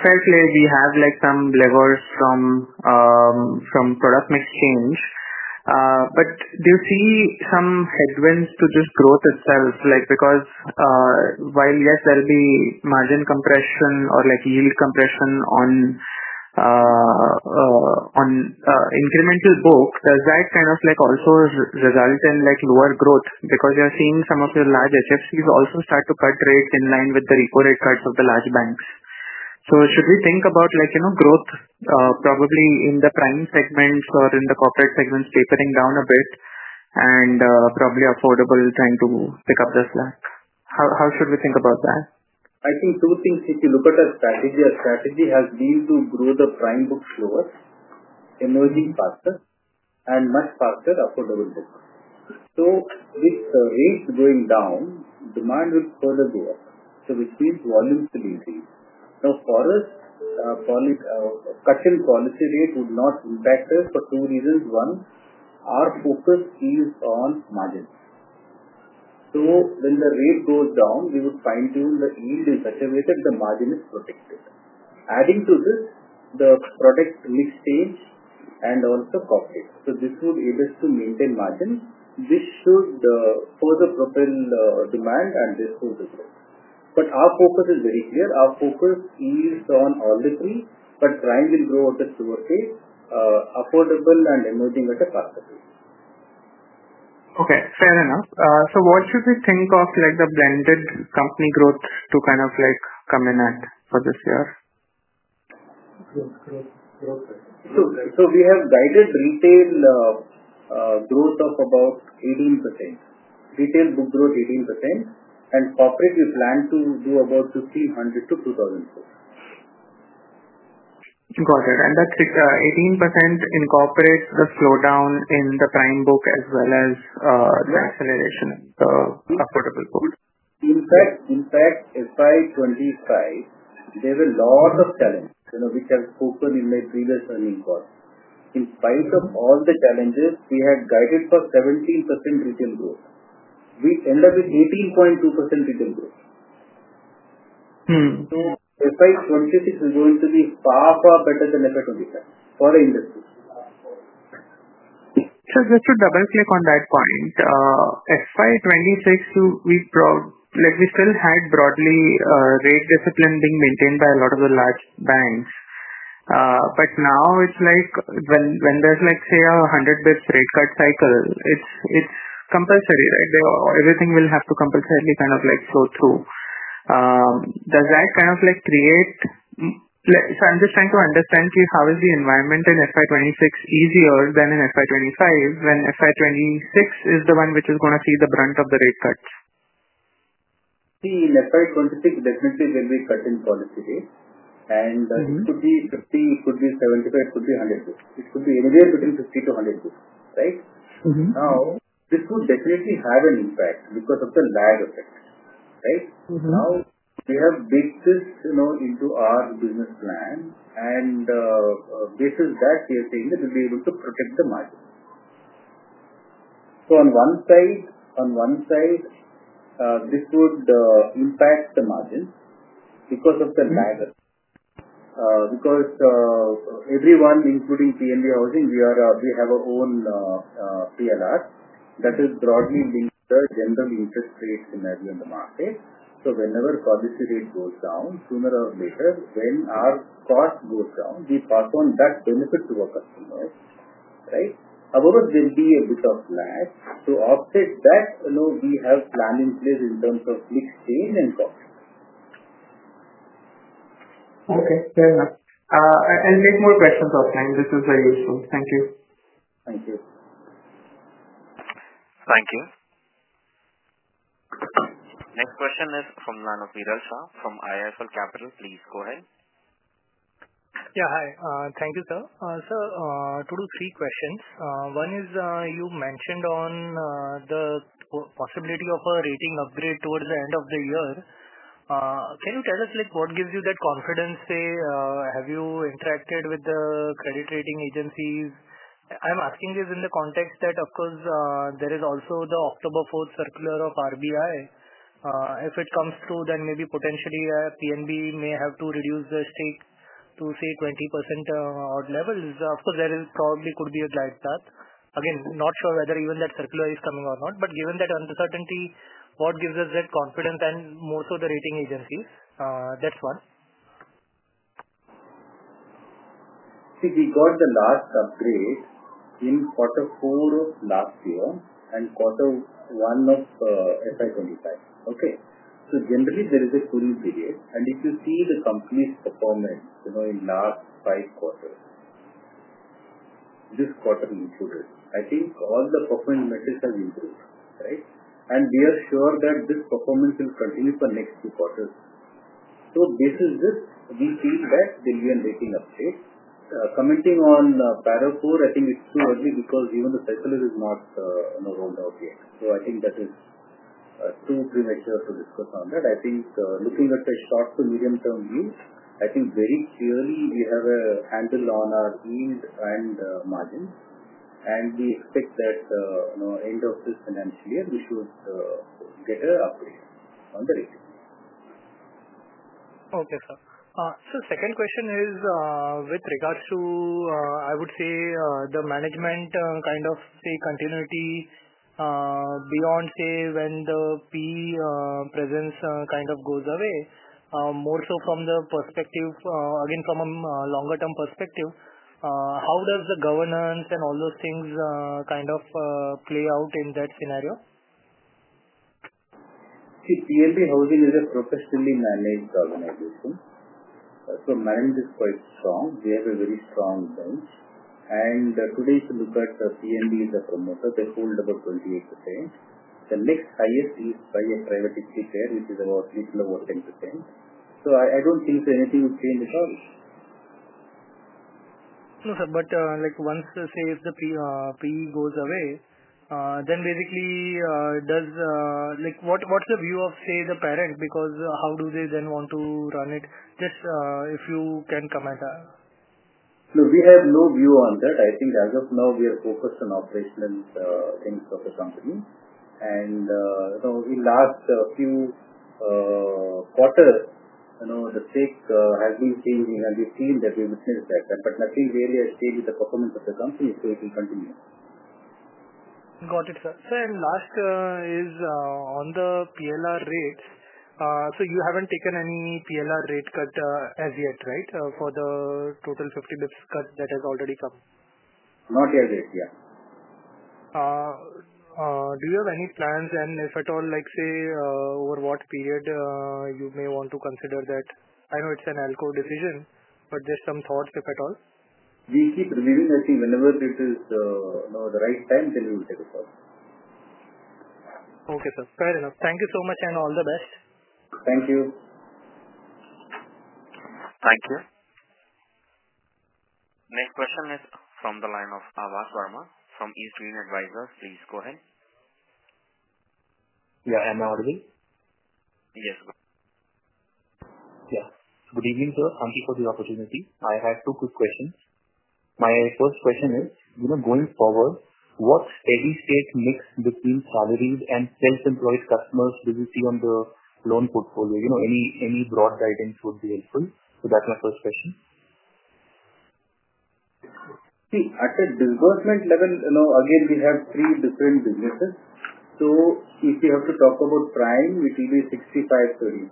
Fair play, we have some levers from product mix change. Do you see some headwinds to just growth itself? Because while, yes, there will be margin compression or yield compression on incremental bulk, does that kind of also result in lower growth? You are seeing some of your large HFCs also start to cut rates in line with the repo rate cuts of the large banks. Should we think about growth probably in the Prime segments or in the corporate segments tapering down a bit and probably affordable trying to pick up the slack? How should we think about that? I think two things. If you look at a strategy, a strategy has been to grow the Prime book slower, emerging faster, and much faster affordable book. With rates going down, demand will further go up, which means volumes will increase. For us, cutting policy rate would not impact us for two reasons. One, our focus is on margins. When the rate goes down, we would fine-tune the yield in such a way that the margin is protected. Adding to this, the product mix change and also corporate. This would enable us to maintain margins. This should further propel demand, and this would improve. Our focus is very clear. Our focus is on all the three, but Prime will grow at a slower pace, affordable, and emerging at a faster pace. Okay. Fair enough. What should we think of the blended company growth to kind of come in at for this year? We have guided retail growth of about 18%, retail book growth 18%, and corporate we plan to do about 1,500-2,000 crore. Got it. That's 18% in corporate, the slowdown in the Prime book as well as the acceleration in the affordable book? In fact, FY 2025, there were lots of challenges, which I've spoken in my previous learning course. In spite of all the challenges, we had guided for 17% retail growth. We ended up with 18.2% retail growth. FY 2026 is going to be far, far better than FY 2025 for the industry. Just to double-click on that point, FY 2026, we still had broadly rate discipline being maintained by a lot of the large banks. Now it's like when there's, say, a 100 basis points rate cut cycle, it's compulsory, right? Everything will have to compulsorily kind of flow through. Does that kind of create—so I'm just trying to understand, please, how is the environment in FY 2026 easier than in FY 2025 when FY 2026 is the one which is going to see the brunt of the rate cuts? See, in FY 2026, definitely there'll be cutting policy rates. It could be 50, it could be 75, it could be 100 basis points. It could be anywhere between 50-100 basis points, right? This would definitely have an impact because of the lag effect, right? We have baked this into our business plan, and based on that, we are saying that we'll be able to protect the margin. On one side, this would impact the margin because of the lag effect. Because everyone, including PNB Housing, we have our own PLR that is broadly linked to the general interest rate scenario in the market. Whenever policy rate goes down, sooner or later, when our cost goes down, we pass on that benefit to our customers, right? However, there'll be a bit of lag. To offset that, we have a plan in place in terms of mix change and corporate. Okay. Fair enough. I will take more questions offline. This is very useful. Thank you. Thank you. Thank you. Next question is from the line of Viral Shah from IIFL Capital Please go ahead. Yeah, hi. Thank you, sir. Sir, two to three questions. One is you mentioned on the possibility of a rating upgrade towards the end of the year. Can you tell us what gives you that confidence? Say have you interacted with the credit rating agencies? I'm asking this in the context that, of course, there is also the October 4th circular of RBI. If it comes through, then maybe potentially PNB may have to reduce the stake to, say, 20% odd levels. Of course, there probably could be a glide path. Again, not sure whether even that circular is coming or not. Given that uncertainty, what gives us that confidence and more so the rating agencies? That's one. See, we got the last upgrade in quarter four of last year and quarter one of FY 2025. Generally, there is a cooling period. If you see the company's performance in the last five quarters, this quarter included, I think all the performance metrics have improved, right? We are sure that this performance will continue for the next few quarters. Basis this, we feel that there'll be a rating upgrade. Commenting on Paracor, I think it's too early because even the circular is not rolled out yet. I think that is too premature to discuss on that. Looking at a short to medium-term view, I think very clearly we have a handle on our yield and margins. We expect that end of this financial year, we should get an upgrade on the rating. Okay, sir. Second question is with regards to, I would say, the management kind of, say, continuity beyond, say, when the PE presence kind of goes away, more so from the perspective, again, from a longer-term perspective, how does the governance and all those things kind of play out in that scenario? See, PNB Housing Finance is a professionally managed organization. Management is quite strong. We have a very strong bench. Today, if you look at PNB as a promoter, they hold about 28%. The next highest is by a private equity player, which is about a little over 10%. I don't think so anything will change at all. No, sir. But once, say, if the PE goes away, then basically, what's the view of, say, the parent? Because how do they then want to run it? Just if you can comment. No, we have no view on that. I think as of now, we are focused on operational things of the company. In the last few quarters, the stake has been changing, and we have seen that, we witnessed that. Nothing really has changed in the performance of the company, so it will continue. Got it, sir. Last is on the PLR rates. You have not taken any PLR rate cut as yet, right, for the total 50 basis points cut that has already come? Not yet, yes. Yeah. Do you have any plans? If at all, say, over what period you may want to consider that? I know it's an ALCO decision, but just some thoughts, if at all. We keep reviewing. I think whenever it is the right time, then we will take a call. Okay, sir. Fair enough. Thank you so much and all the best. Thank you. Thank you. Next question is from the line of Aabhas Verma from East Green Advisors. Please go ahead. Yeah. I'm Aabhas Verma. Yes, sir. Yeah. Good evening, sir. Thank you for the opportunity. I have two quick questions. My first question is, going forward, what steady-state mix between salaried and self-employed customers will you see on the loan portfolio? Any broad guidance would be helpful. That is my first question. See, at a disbursement level, again, we have three different businesses. If you have to talk about Prime, it will be 65-35.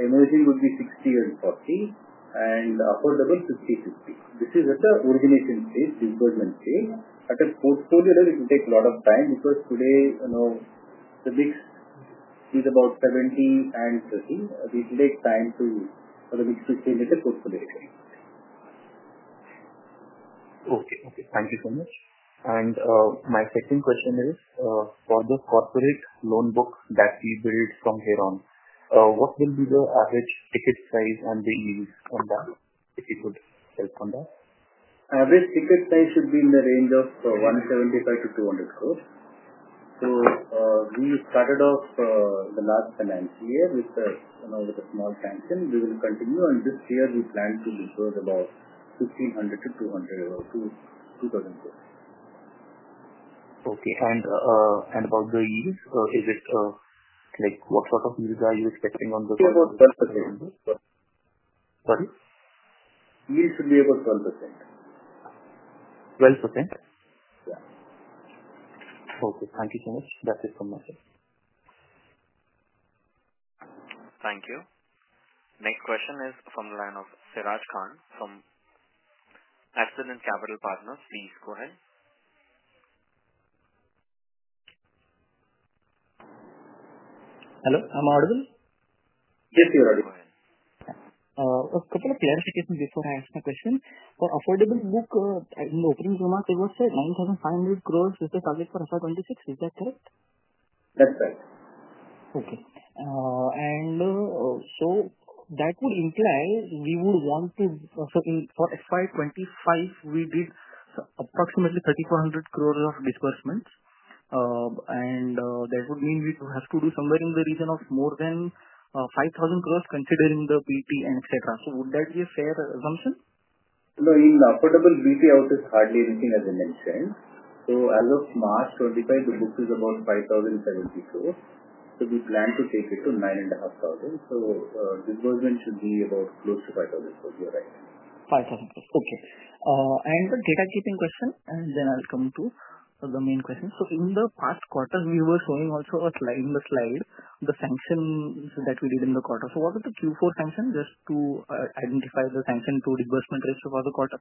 Emerging would be 60-40. And affordable, 50-50. This is at the origination stage, disbursement stage. At a portfolio, it will take a lot of time because today, the mix is about 70-30. It will take time for the mix to change at a portfolio level. Okay. Okay. Thank you so much. My second question is for the corporate loan book that we build from here on, what will be the average ticket size and the yield on that? If you could help on that. Average ticket size should be in the range of 175-200 crore. We started off the last financial year with a small sanction. We will continue. This year, we plan to disburse about 1,500-2,000 crore. Okay. And about the yield, what sort of yield are you expecting on the? Yield should be about 12%. Sorry? Yield should be about 12%. 12%? Yeah. Okay. Thank you so much. That is it from my side. Thank you. Next question is from the line of Siraj Khan from Ascend Capital Partners. Please go ahead. Hello. I'm Audible. Yes, you are. Go ahead. A couple of clarifications before I ask my question. For affordable book, in the opening remarks, it was said INR 9,500 crores is the target for FY 2026. Is that correct? That's right. Okay. That would imply we would want to, for FY 2025, we did approximately 3,400 crores of disbursements. That would mean we have to do somewhere in the region of more than 5,000 crores considering the BP and etc. Would that be a fair assumption? No, in the affordable BP out, it's hardly anything, as I mentioned. As of March 2025, the book is about 5,070 crores. We plan to take it to 9,500 crores. Disbursement should be about close to 5,000 crores. You're right. 5,000 crores. Okay. A data-keeping question, and then I'll come to the main question. In the past quarter, we were showing also in the slide the sanctions that we did in the quarter. What was the Q4 sanction? Just to identify the sanction to disbursement ratio for the quarter.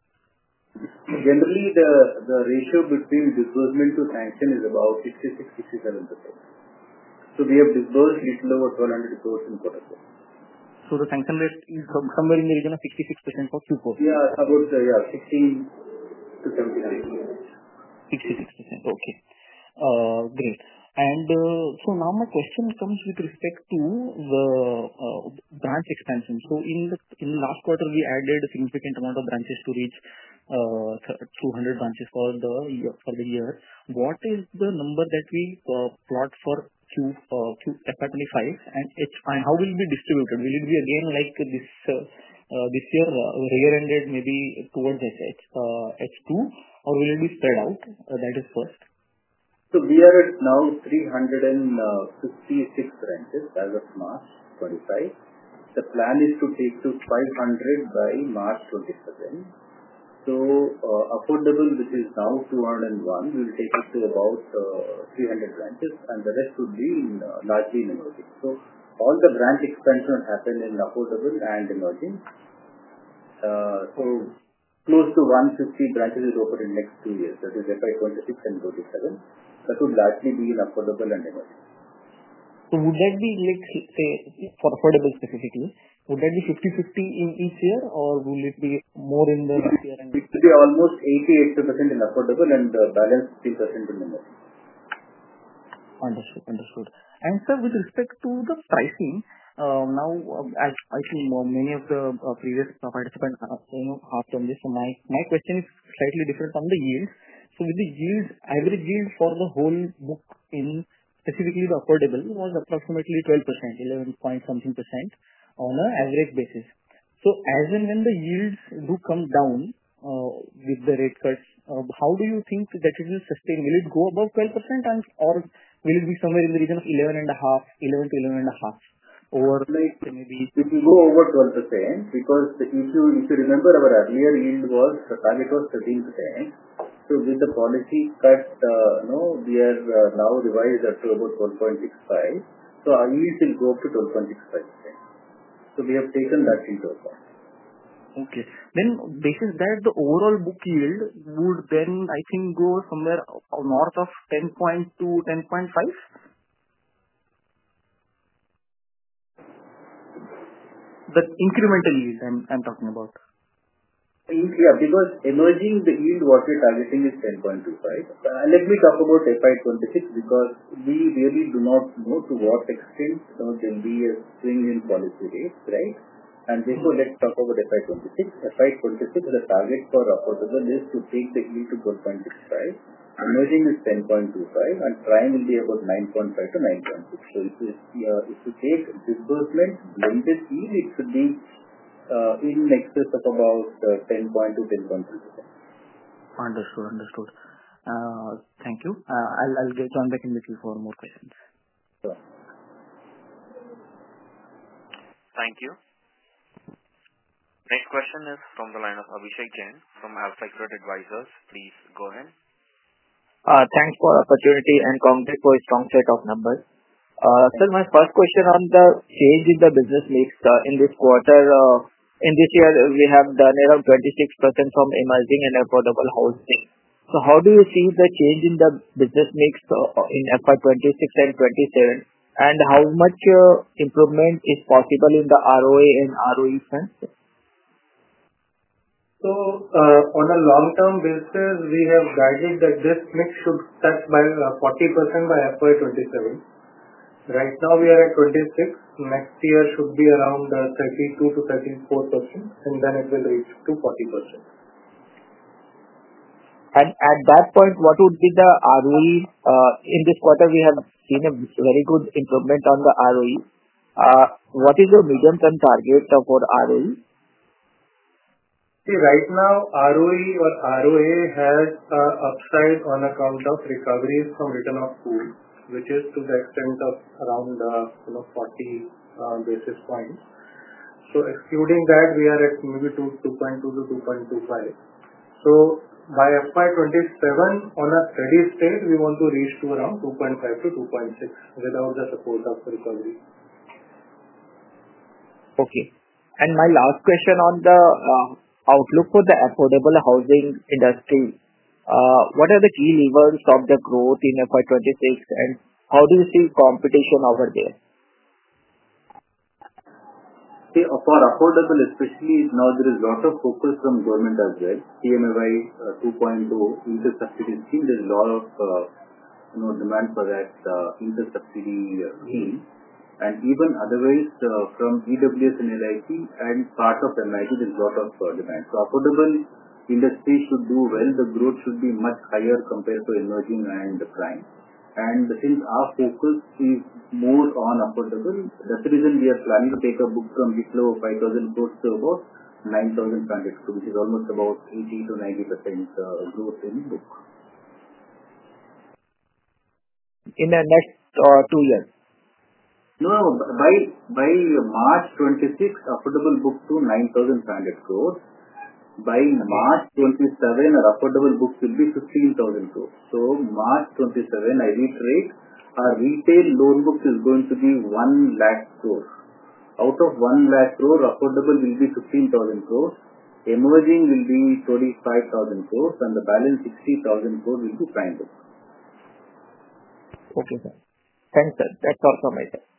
Generally, the ratio between disbursement to sanction is about 66%-67%. We have disbursed a little over 1,200 crore in quarter four. The sanction rate is somewhere in the region of 66% for Q4? Yeah, about 16%-70%. 66%. Okay. Great. My question comes with respect to the branch expansion. In the last quarter, we added a significant amount of branches to reach 200 branches for the year. What is the number that we plot for FY 2025? How will it be distributed? Will it be again like this year, rear-ended maybe towards H2, or will it be spread out? That is first. We are at now 356 branches as of March 2025. The plan is to take to 500 by March 2027. Affordable, which is now 201, will take us to about 300 branches. The rest would be largely in emerging. All the branch expansion will happen in affordable and emerging. Close to 150 branches will open in the next two years, that is FY 2026 and 2027. That would largely be in affordable and emerging. Would that be, say, for affordable specifically, would that be 50-50 in each year, or will it be more in the next year? It will be almost 80%-85% in affordable and the balance 15% in emerging. Understood. Understood. Sir, with respect to the pricing, I think many of the previous participants have told this. My question is slightly different from the yield. With the yield, average yield for the whole book in specifically the affordable was approximately 12%, 11 point something percent on an average basis. As and when the yields do come down with the rate cuts, how do you think that it will sustain? Will it go above 12%, or will it be somewhere in the region of 11.5, 11 to 11 and a half, or maybe? It will go over 12% because if you remember our earlier yield was the target was 13%. With the policy cut, we have now revised that to about 12.65%. Our yield will go up to 12.65%. We have taken that yield over. Okay. Based on that, the overall book yield would then, I think, go somewhere north of 10.2-10.5? The incremental yield I'm talking about. Yeah. Because emerging, the yield what we're targeting is 10.25. Let me talk about FY 2026 because we really do not know to what extent there'll be a swing in policy rate, right? Therefore, let's talk about FY 2026. FY 2026, the target for affordable is to take the yield to 12.65. Emerging is 10.25, and prime will be about 9.5-9.6. If you take disbursement blended yield, it should be in excess of about 10.2-10.25. Understood. Understood. Thank you. I'll get you on back in a little for more questions. Sure. Thank you. Next question is from the line of Abhishek Jain from ALCO Advisors. Please go ahead. Thanks for the opportunity and congrats for your strong set of numbers. Sir, my first question on the change in the business mix in this quarter. In this year, we have done around 26% from emerging and affordable housing. How do you see the change in the business mix in FY 2026 and 2027? How much improvement is possible in the ROA and ROE funds? On a long-term basis, we have guided that this mix should touch 40% by FY 2027. Right now, we are at 26%. Next year should be around 32%-34%, and then it will reach 40%. At that point, what would be the ROE? In this quarter, we have seen a very good improvement on the ROE. What is your medium-term target for ROE? See, right now, ROE or ROA has upside on account of recoveries from written-off pool, which is to the extent of around 40 basis points. Excluding that, we are at maybe 2.2-2.25. By FY 2027, on a steady state, we want to reach to around 2.5-2.6 without the support of recovery. Okay. My last question on the outlook for the affordable housing industry. What are the key levers of the growth in FY 2026, and how do you see competition over there? See, for affordable, especially now, there is a lot of focus from government as well. PMAY 2.0 inter-subsidy scheme, there's a lot of demand for that inter-subsidy scheme. Even otherwise, from EWS and LIC and part of MIG, there's a lot of demand. Affordable industry should do well. The growth should be much higher compared to emerging and prime. Since our focus is more on affordable, that's the reason we are planning to take a book from 5,000 crores to about 9,500 crores, which is almost about 80%-90% growth in the book. In the next two years? No, no. By March 2026, affordable book to 9,500 crores. By March 2027, affordable book will be 15,000 crores. March 2027, I reiterate, our retail loan book is going to be 100,000 crores. Out of 100,000 crores, affordable will be 15,000 crores. Emerging will be 25,000 crores, and the balance 60,000 crores will be prime book. Okay, sir. Thanks, sir. That's all from my side.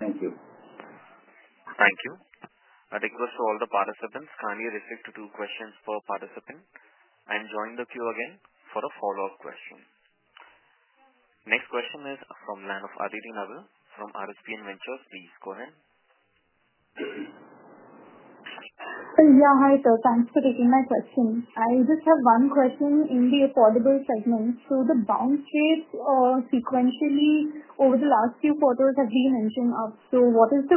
Thank you. Thank you. That includes all the participants. Kindly, respect to two questions per participant. I am joining the queue again for a follow-up question. Next question is from the line of Aditi Navel from RSPN Ventures. Please go ahead. Yeah, hi sir. Thanks for taking my question. I just have one question in the affordable segment. The bounce rates sequentially over the last few quarters have been inching up. What is the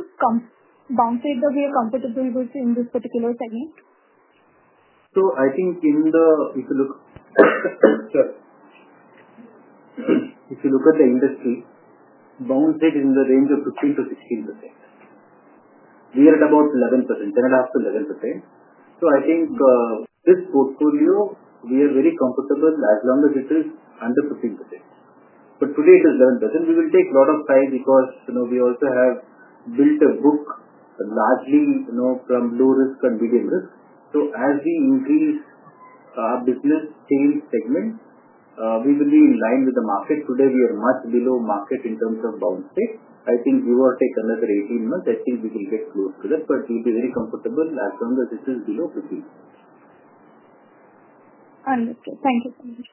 bounce rate that we are comfortable with in this particular segment? I think if you look at the industry, bounce rate is in the range of 15%-16%. We are at about 11%, 10.5%-11%. I think this portfolio, we are very comfortable as long as it is under 15%. Today, it is 11%. We will take a lot of pride because we also have built a book largely from low risk and medium risk. As we increase our business change segment, we will be in line with the market. Today, we are much below market in terms of bounce rate. I think give or take another 18 months, I think we will get close to that. We will be very comfortable as long as it is below 15%. Understood. Thank you so much.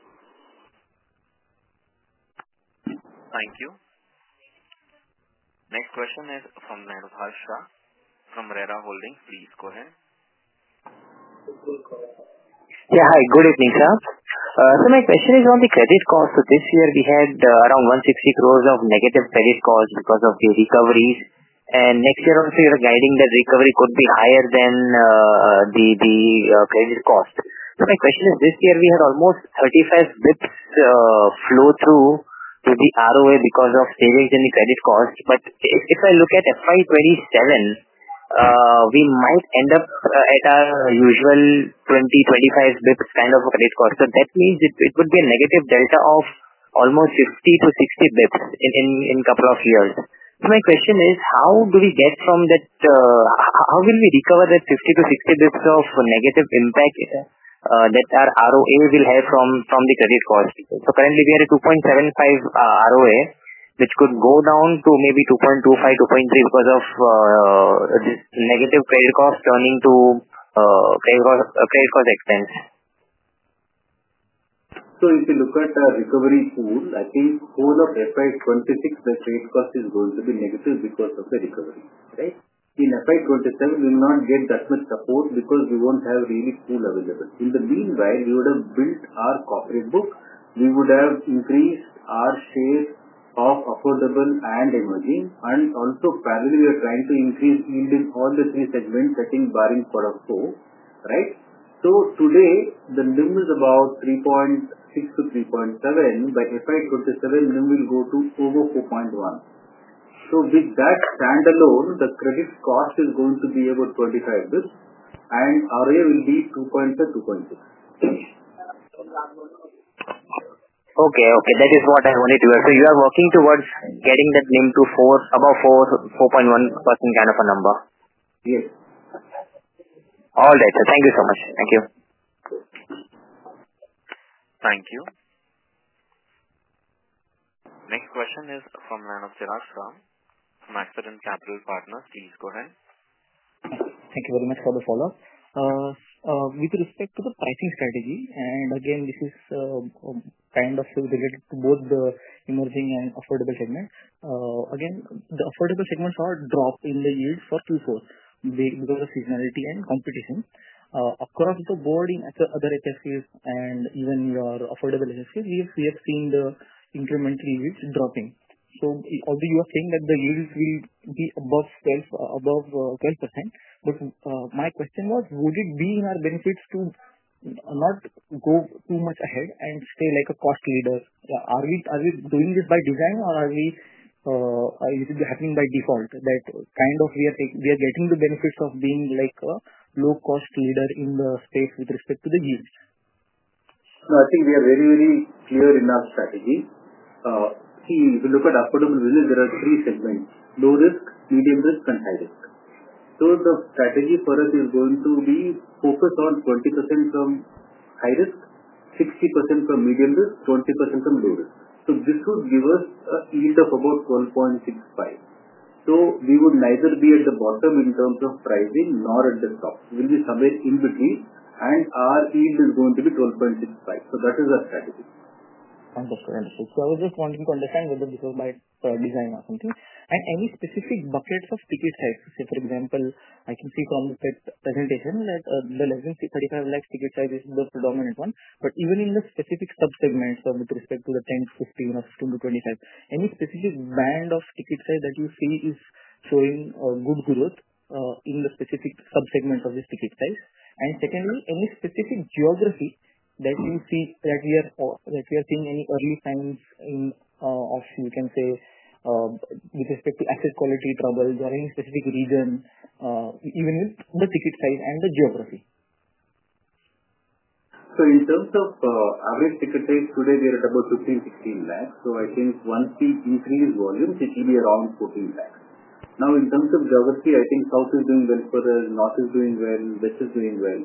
Thank you. Next question is from Manav Shah from Arete Holdings. Please go ahead. Yeah, hi. Good evening, sir. My question is on the credit cost. This year, we had around 160 crore of negative credit cost because of the recoveries. Next year also, you're guiding that recovery could be higher than the credit cost. My question is, this year, we had almost 35 basis points flow through to the ROA because of savings in the credit cost. If I look at FY 2027, we might end up at our usual 20-25 basis points kind of credit cost. That means it would be a negative delta of almost 50-60 basis points in a couple of years. My question is, how do we get from that? How will we recover that 50-60 basis points of negative impact that our ROA will have from the credit cost? Currently, we are at 2.75% ROA, which could go down to maybe 2.25%-2.3% because of negative credit cost turning to credit cost expense. If you look at our recovery pool, I think whole of FY 2026, the credit cost is going to be negative because of the recovery, right? In FY 2027, we will not get that much support because we will not have really pool available. In the meanwhile, we would have built our corporate book. We would have increased our share of affordable and emerging. Also, parallelly, we are trying to increase yield in all the three segments, I think barring quarter four, right? Today, the NIM is about 3.6-3.7. By FY 2027, NIM will go to over 4.1. With that standalone, the credit cost is going to be about 25 basis points, and ROA will be 2.5, 2.6. Okay, okay. That is what I wanted to hear. You are working towards getting that NIM to above 4.1% kind of a number? Yes. All right. Thank you so much. Thank you. Thank you. Next question is from the line of Siraj Khan from Ascend Capital Partners. Please go ahead. Thank you very much for the follow-up. With respect to the pricing strategy, and again, this is kind of related to both the emerging and affordable segments. Again, the affordable segments are drop in the yields for Q4 because of seasonality and competition across the board in other HFCs and even your affordable HFCs. We have seen the incremental yields dropping. Although you are saying that the yields will be above 12%, my question was, would it be in our benefits to not go too much ahead and stay like a cost leader? Are we doing this by design, or is it happening by default that kind of we are getting the benefits of being like a low-cost leader in the space with respect to the yields? No, I think we are very, very clear in our strategy. See, if you look at affordable business, there are three segments: low risk, medium risk, and high risk. The strategy for us is going to be focus on 20% from high risk, 60% from medium risk, 20% from low risk. This would give us a yield of about 12.65%. We would neither be at the bottom in terms of pricing nor at the top. We will be somewhere in between, and our yield is going to be 12.65%. That is our strategy. Understood. Understood. I was just wanting to understand whether this was by design or something. Any specific buckets of ticket size? Say, for example, I can see from the presentation that the less than INR 3.5 million ticket size is the predominant one. Even in the specific subsegments with respect to the 10-15 or 15-25, any specific band of ticket size that you see is showing good growth in the specific subsegments of this ticket size? Secondly, any specific geography that you see that we are seeing any early signs of, you can say, with respect to asset quality troubles or any specific region, even with the ticket size and the geography? In terms of average ticket size, today we are at about 1.5 million-1.6 million. I think once we increase volumes, it will be around 1.4 million. In terms of geography, I think south is doing well for us, north is doing well, west is doing well.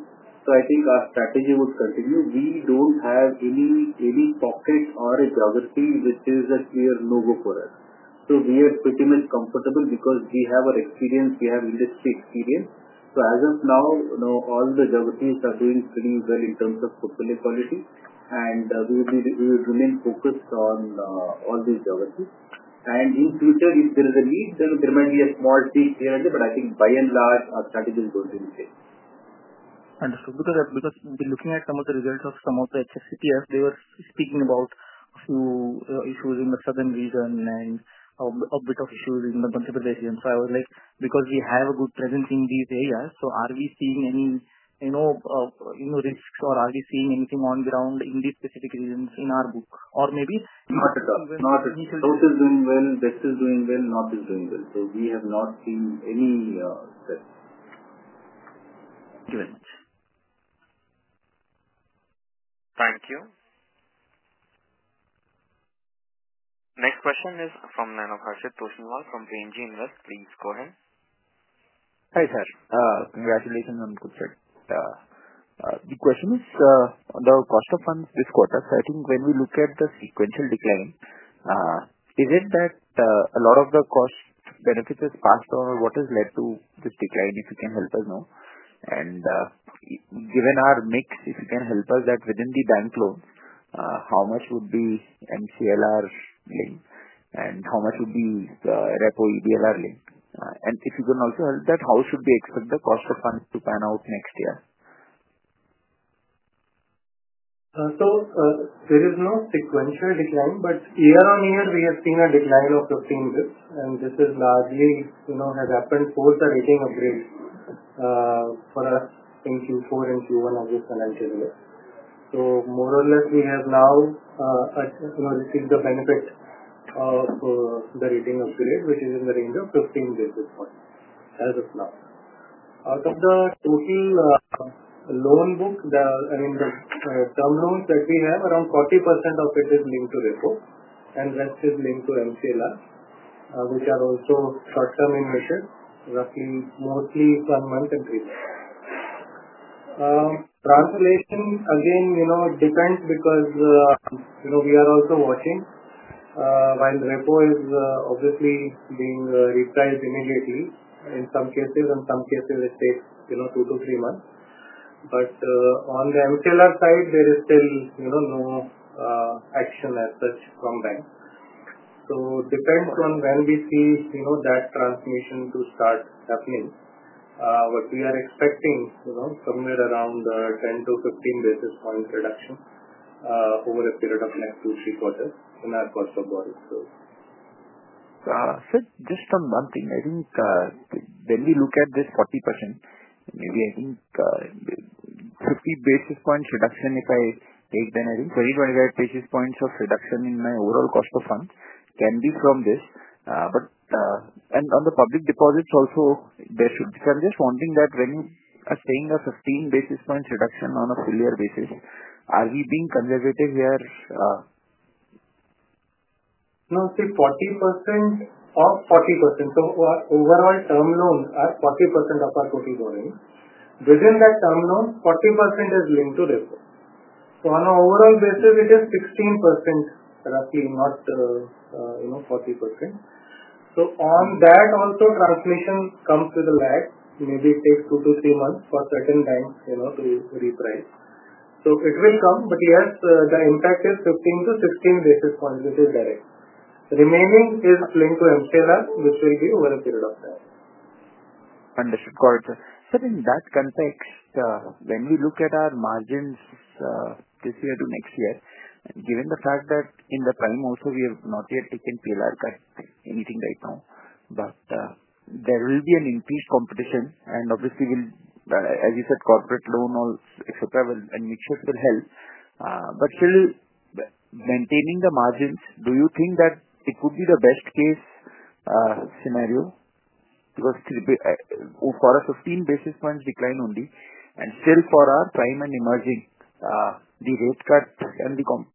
I think our strategy would continue. We do not have any pocket or a geography which is a clear no-go for us. We are pretty much comfortable because we have our experience. We have industry experience. As of now, all the geographies are doing pretty well in terms of portfolio quality, and we will remain focused on all these geographies. In future, if there is a need, there might be a small peak here, but I think by and large, our strategy is going to be the same. Understood. Because looking at some of the results of some of the HSEPF, they were speaking about a few issues in the southern region and a bit of issues in the Chandigarh region. I was like, because we have a good presence in these areas, are we seeing any risks or are we seeing anything on the ground in these specific regions in our book? Or maybe. Not at all. Not at all. Northeast is doing well, west is doing well, north is doing well. We have not seen any threat. Thank you very much. Thank you. Next question is from the line of Harshit Toshniwal from Premji Invest. Please go ahead. Hi sir. Congratulations on the question. The question is the cost of funds this quarter. I think when we look at the sequential decline, is it that a lot of the cost benefits have passed on, or what has led to this decline, if you can help us know? Given our mix, if you can help us that within the bank loans, how much would be MCLR linked, and how much would be the REPO EBLR linked? If you can also help that, how should we expect the cost of funds to pan out next year? There is no sequential decline, but year on year, we have seen a decline of 15 basis points, and this has largely happened post the rating upgrade for us in Q4 and Q1 as we financially look. More or less, we have now received the benefit of the rating upgrade, which is in the range of 15 basis points as of now. Out of the total loan book, I mean, the term loans that we have, around 40% of it is linked to REPO, and the rest is linked to MCLR, which are also short-term in nature, roughly mostly one month and three months. Translation, again, depends because we are also watching while REPO is obviously being repriced immediately in some cases, and in some cases, it takes two to three months. On the MCLR side, there is still no action as such from banks. It depends on when we see that transmission to start happening. What we are expecting is somewhere around 10-15 basis points reduction over a period of next two to three quarters in our cost of borrowing services. Sir, just on one thing. I think when we look at this 40%, maybe I think 50 basis points reduction, if I take that, I think 20-25 basis points of reduction in my overall cost of funds can be from this. On the public deposits also, there should be—I am just wondering that when you are saying a 15 basis points reduction on a full-year basis, are we being conservative here? No, see, 40% of 40%. Overall, term loans are 40% of our total borrowing. Within that term loan, 40% is linked to REPO. On an overall basis, it is 16% roughly, not 40%. On that also, transmission comes with a lag. Maybe it takes two to three months for certain banks to reprice. It will come, but yes, the impact is 15-16 basis points, which is direct. The remaining is linked to MCLR, which will be over a period of time. Understood. Got it, sir. In that context, when we look at our margins this year to next year, given the fact that in the time also, we have not yet taken PLR cut anything right now, there will be an increased competition. Obviously, as you said, corporate loan, etc., and mixtures will help. Still, maintaining the margins, do you think that it would be the best-case scenario? Because for a 15 basis points decline only, and still for our prime and emerging, the rate cut and the.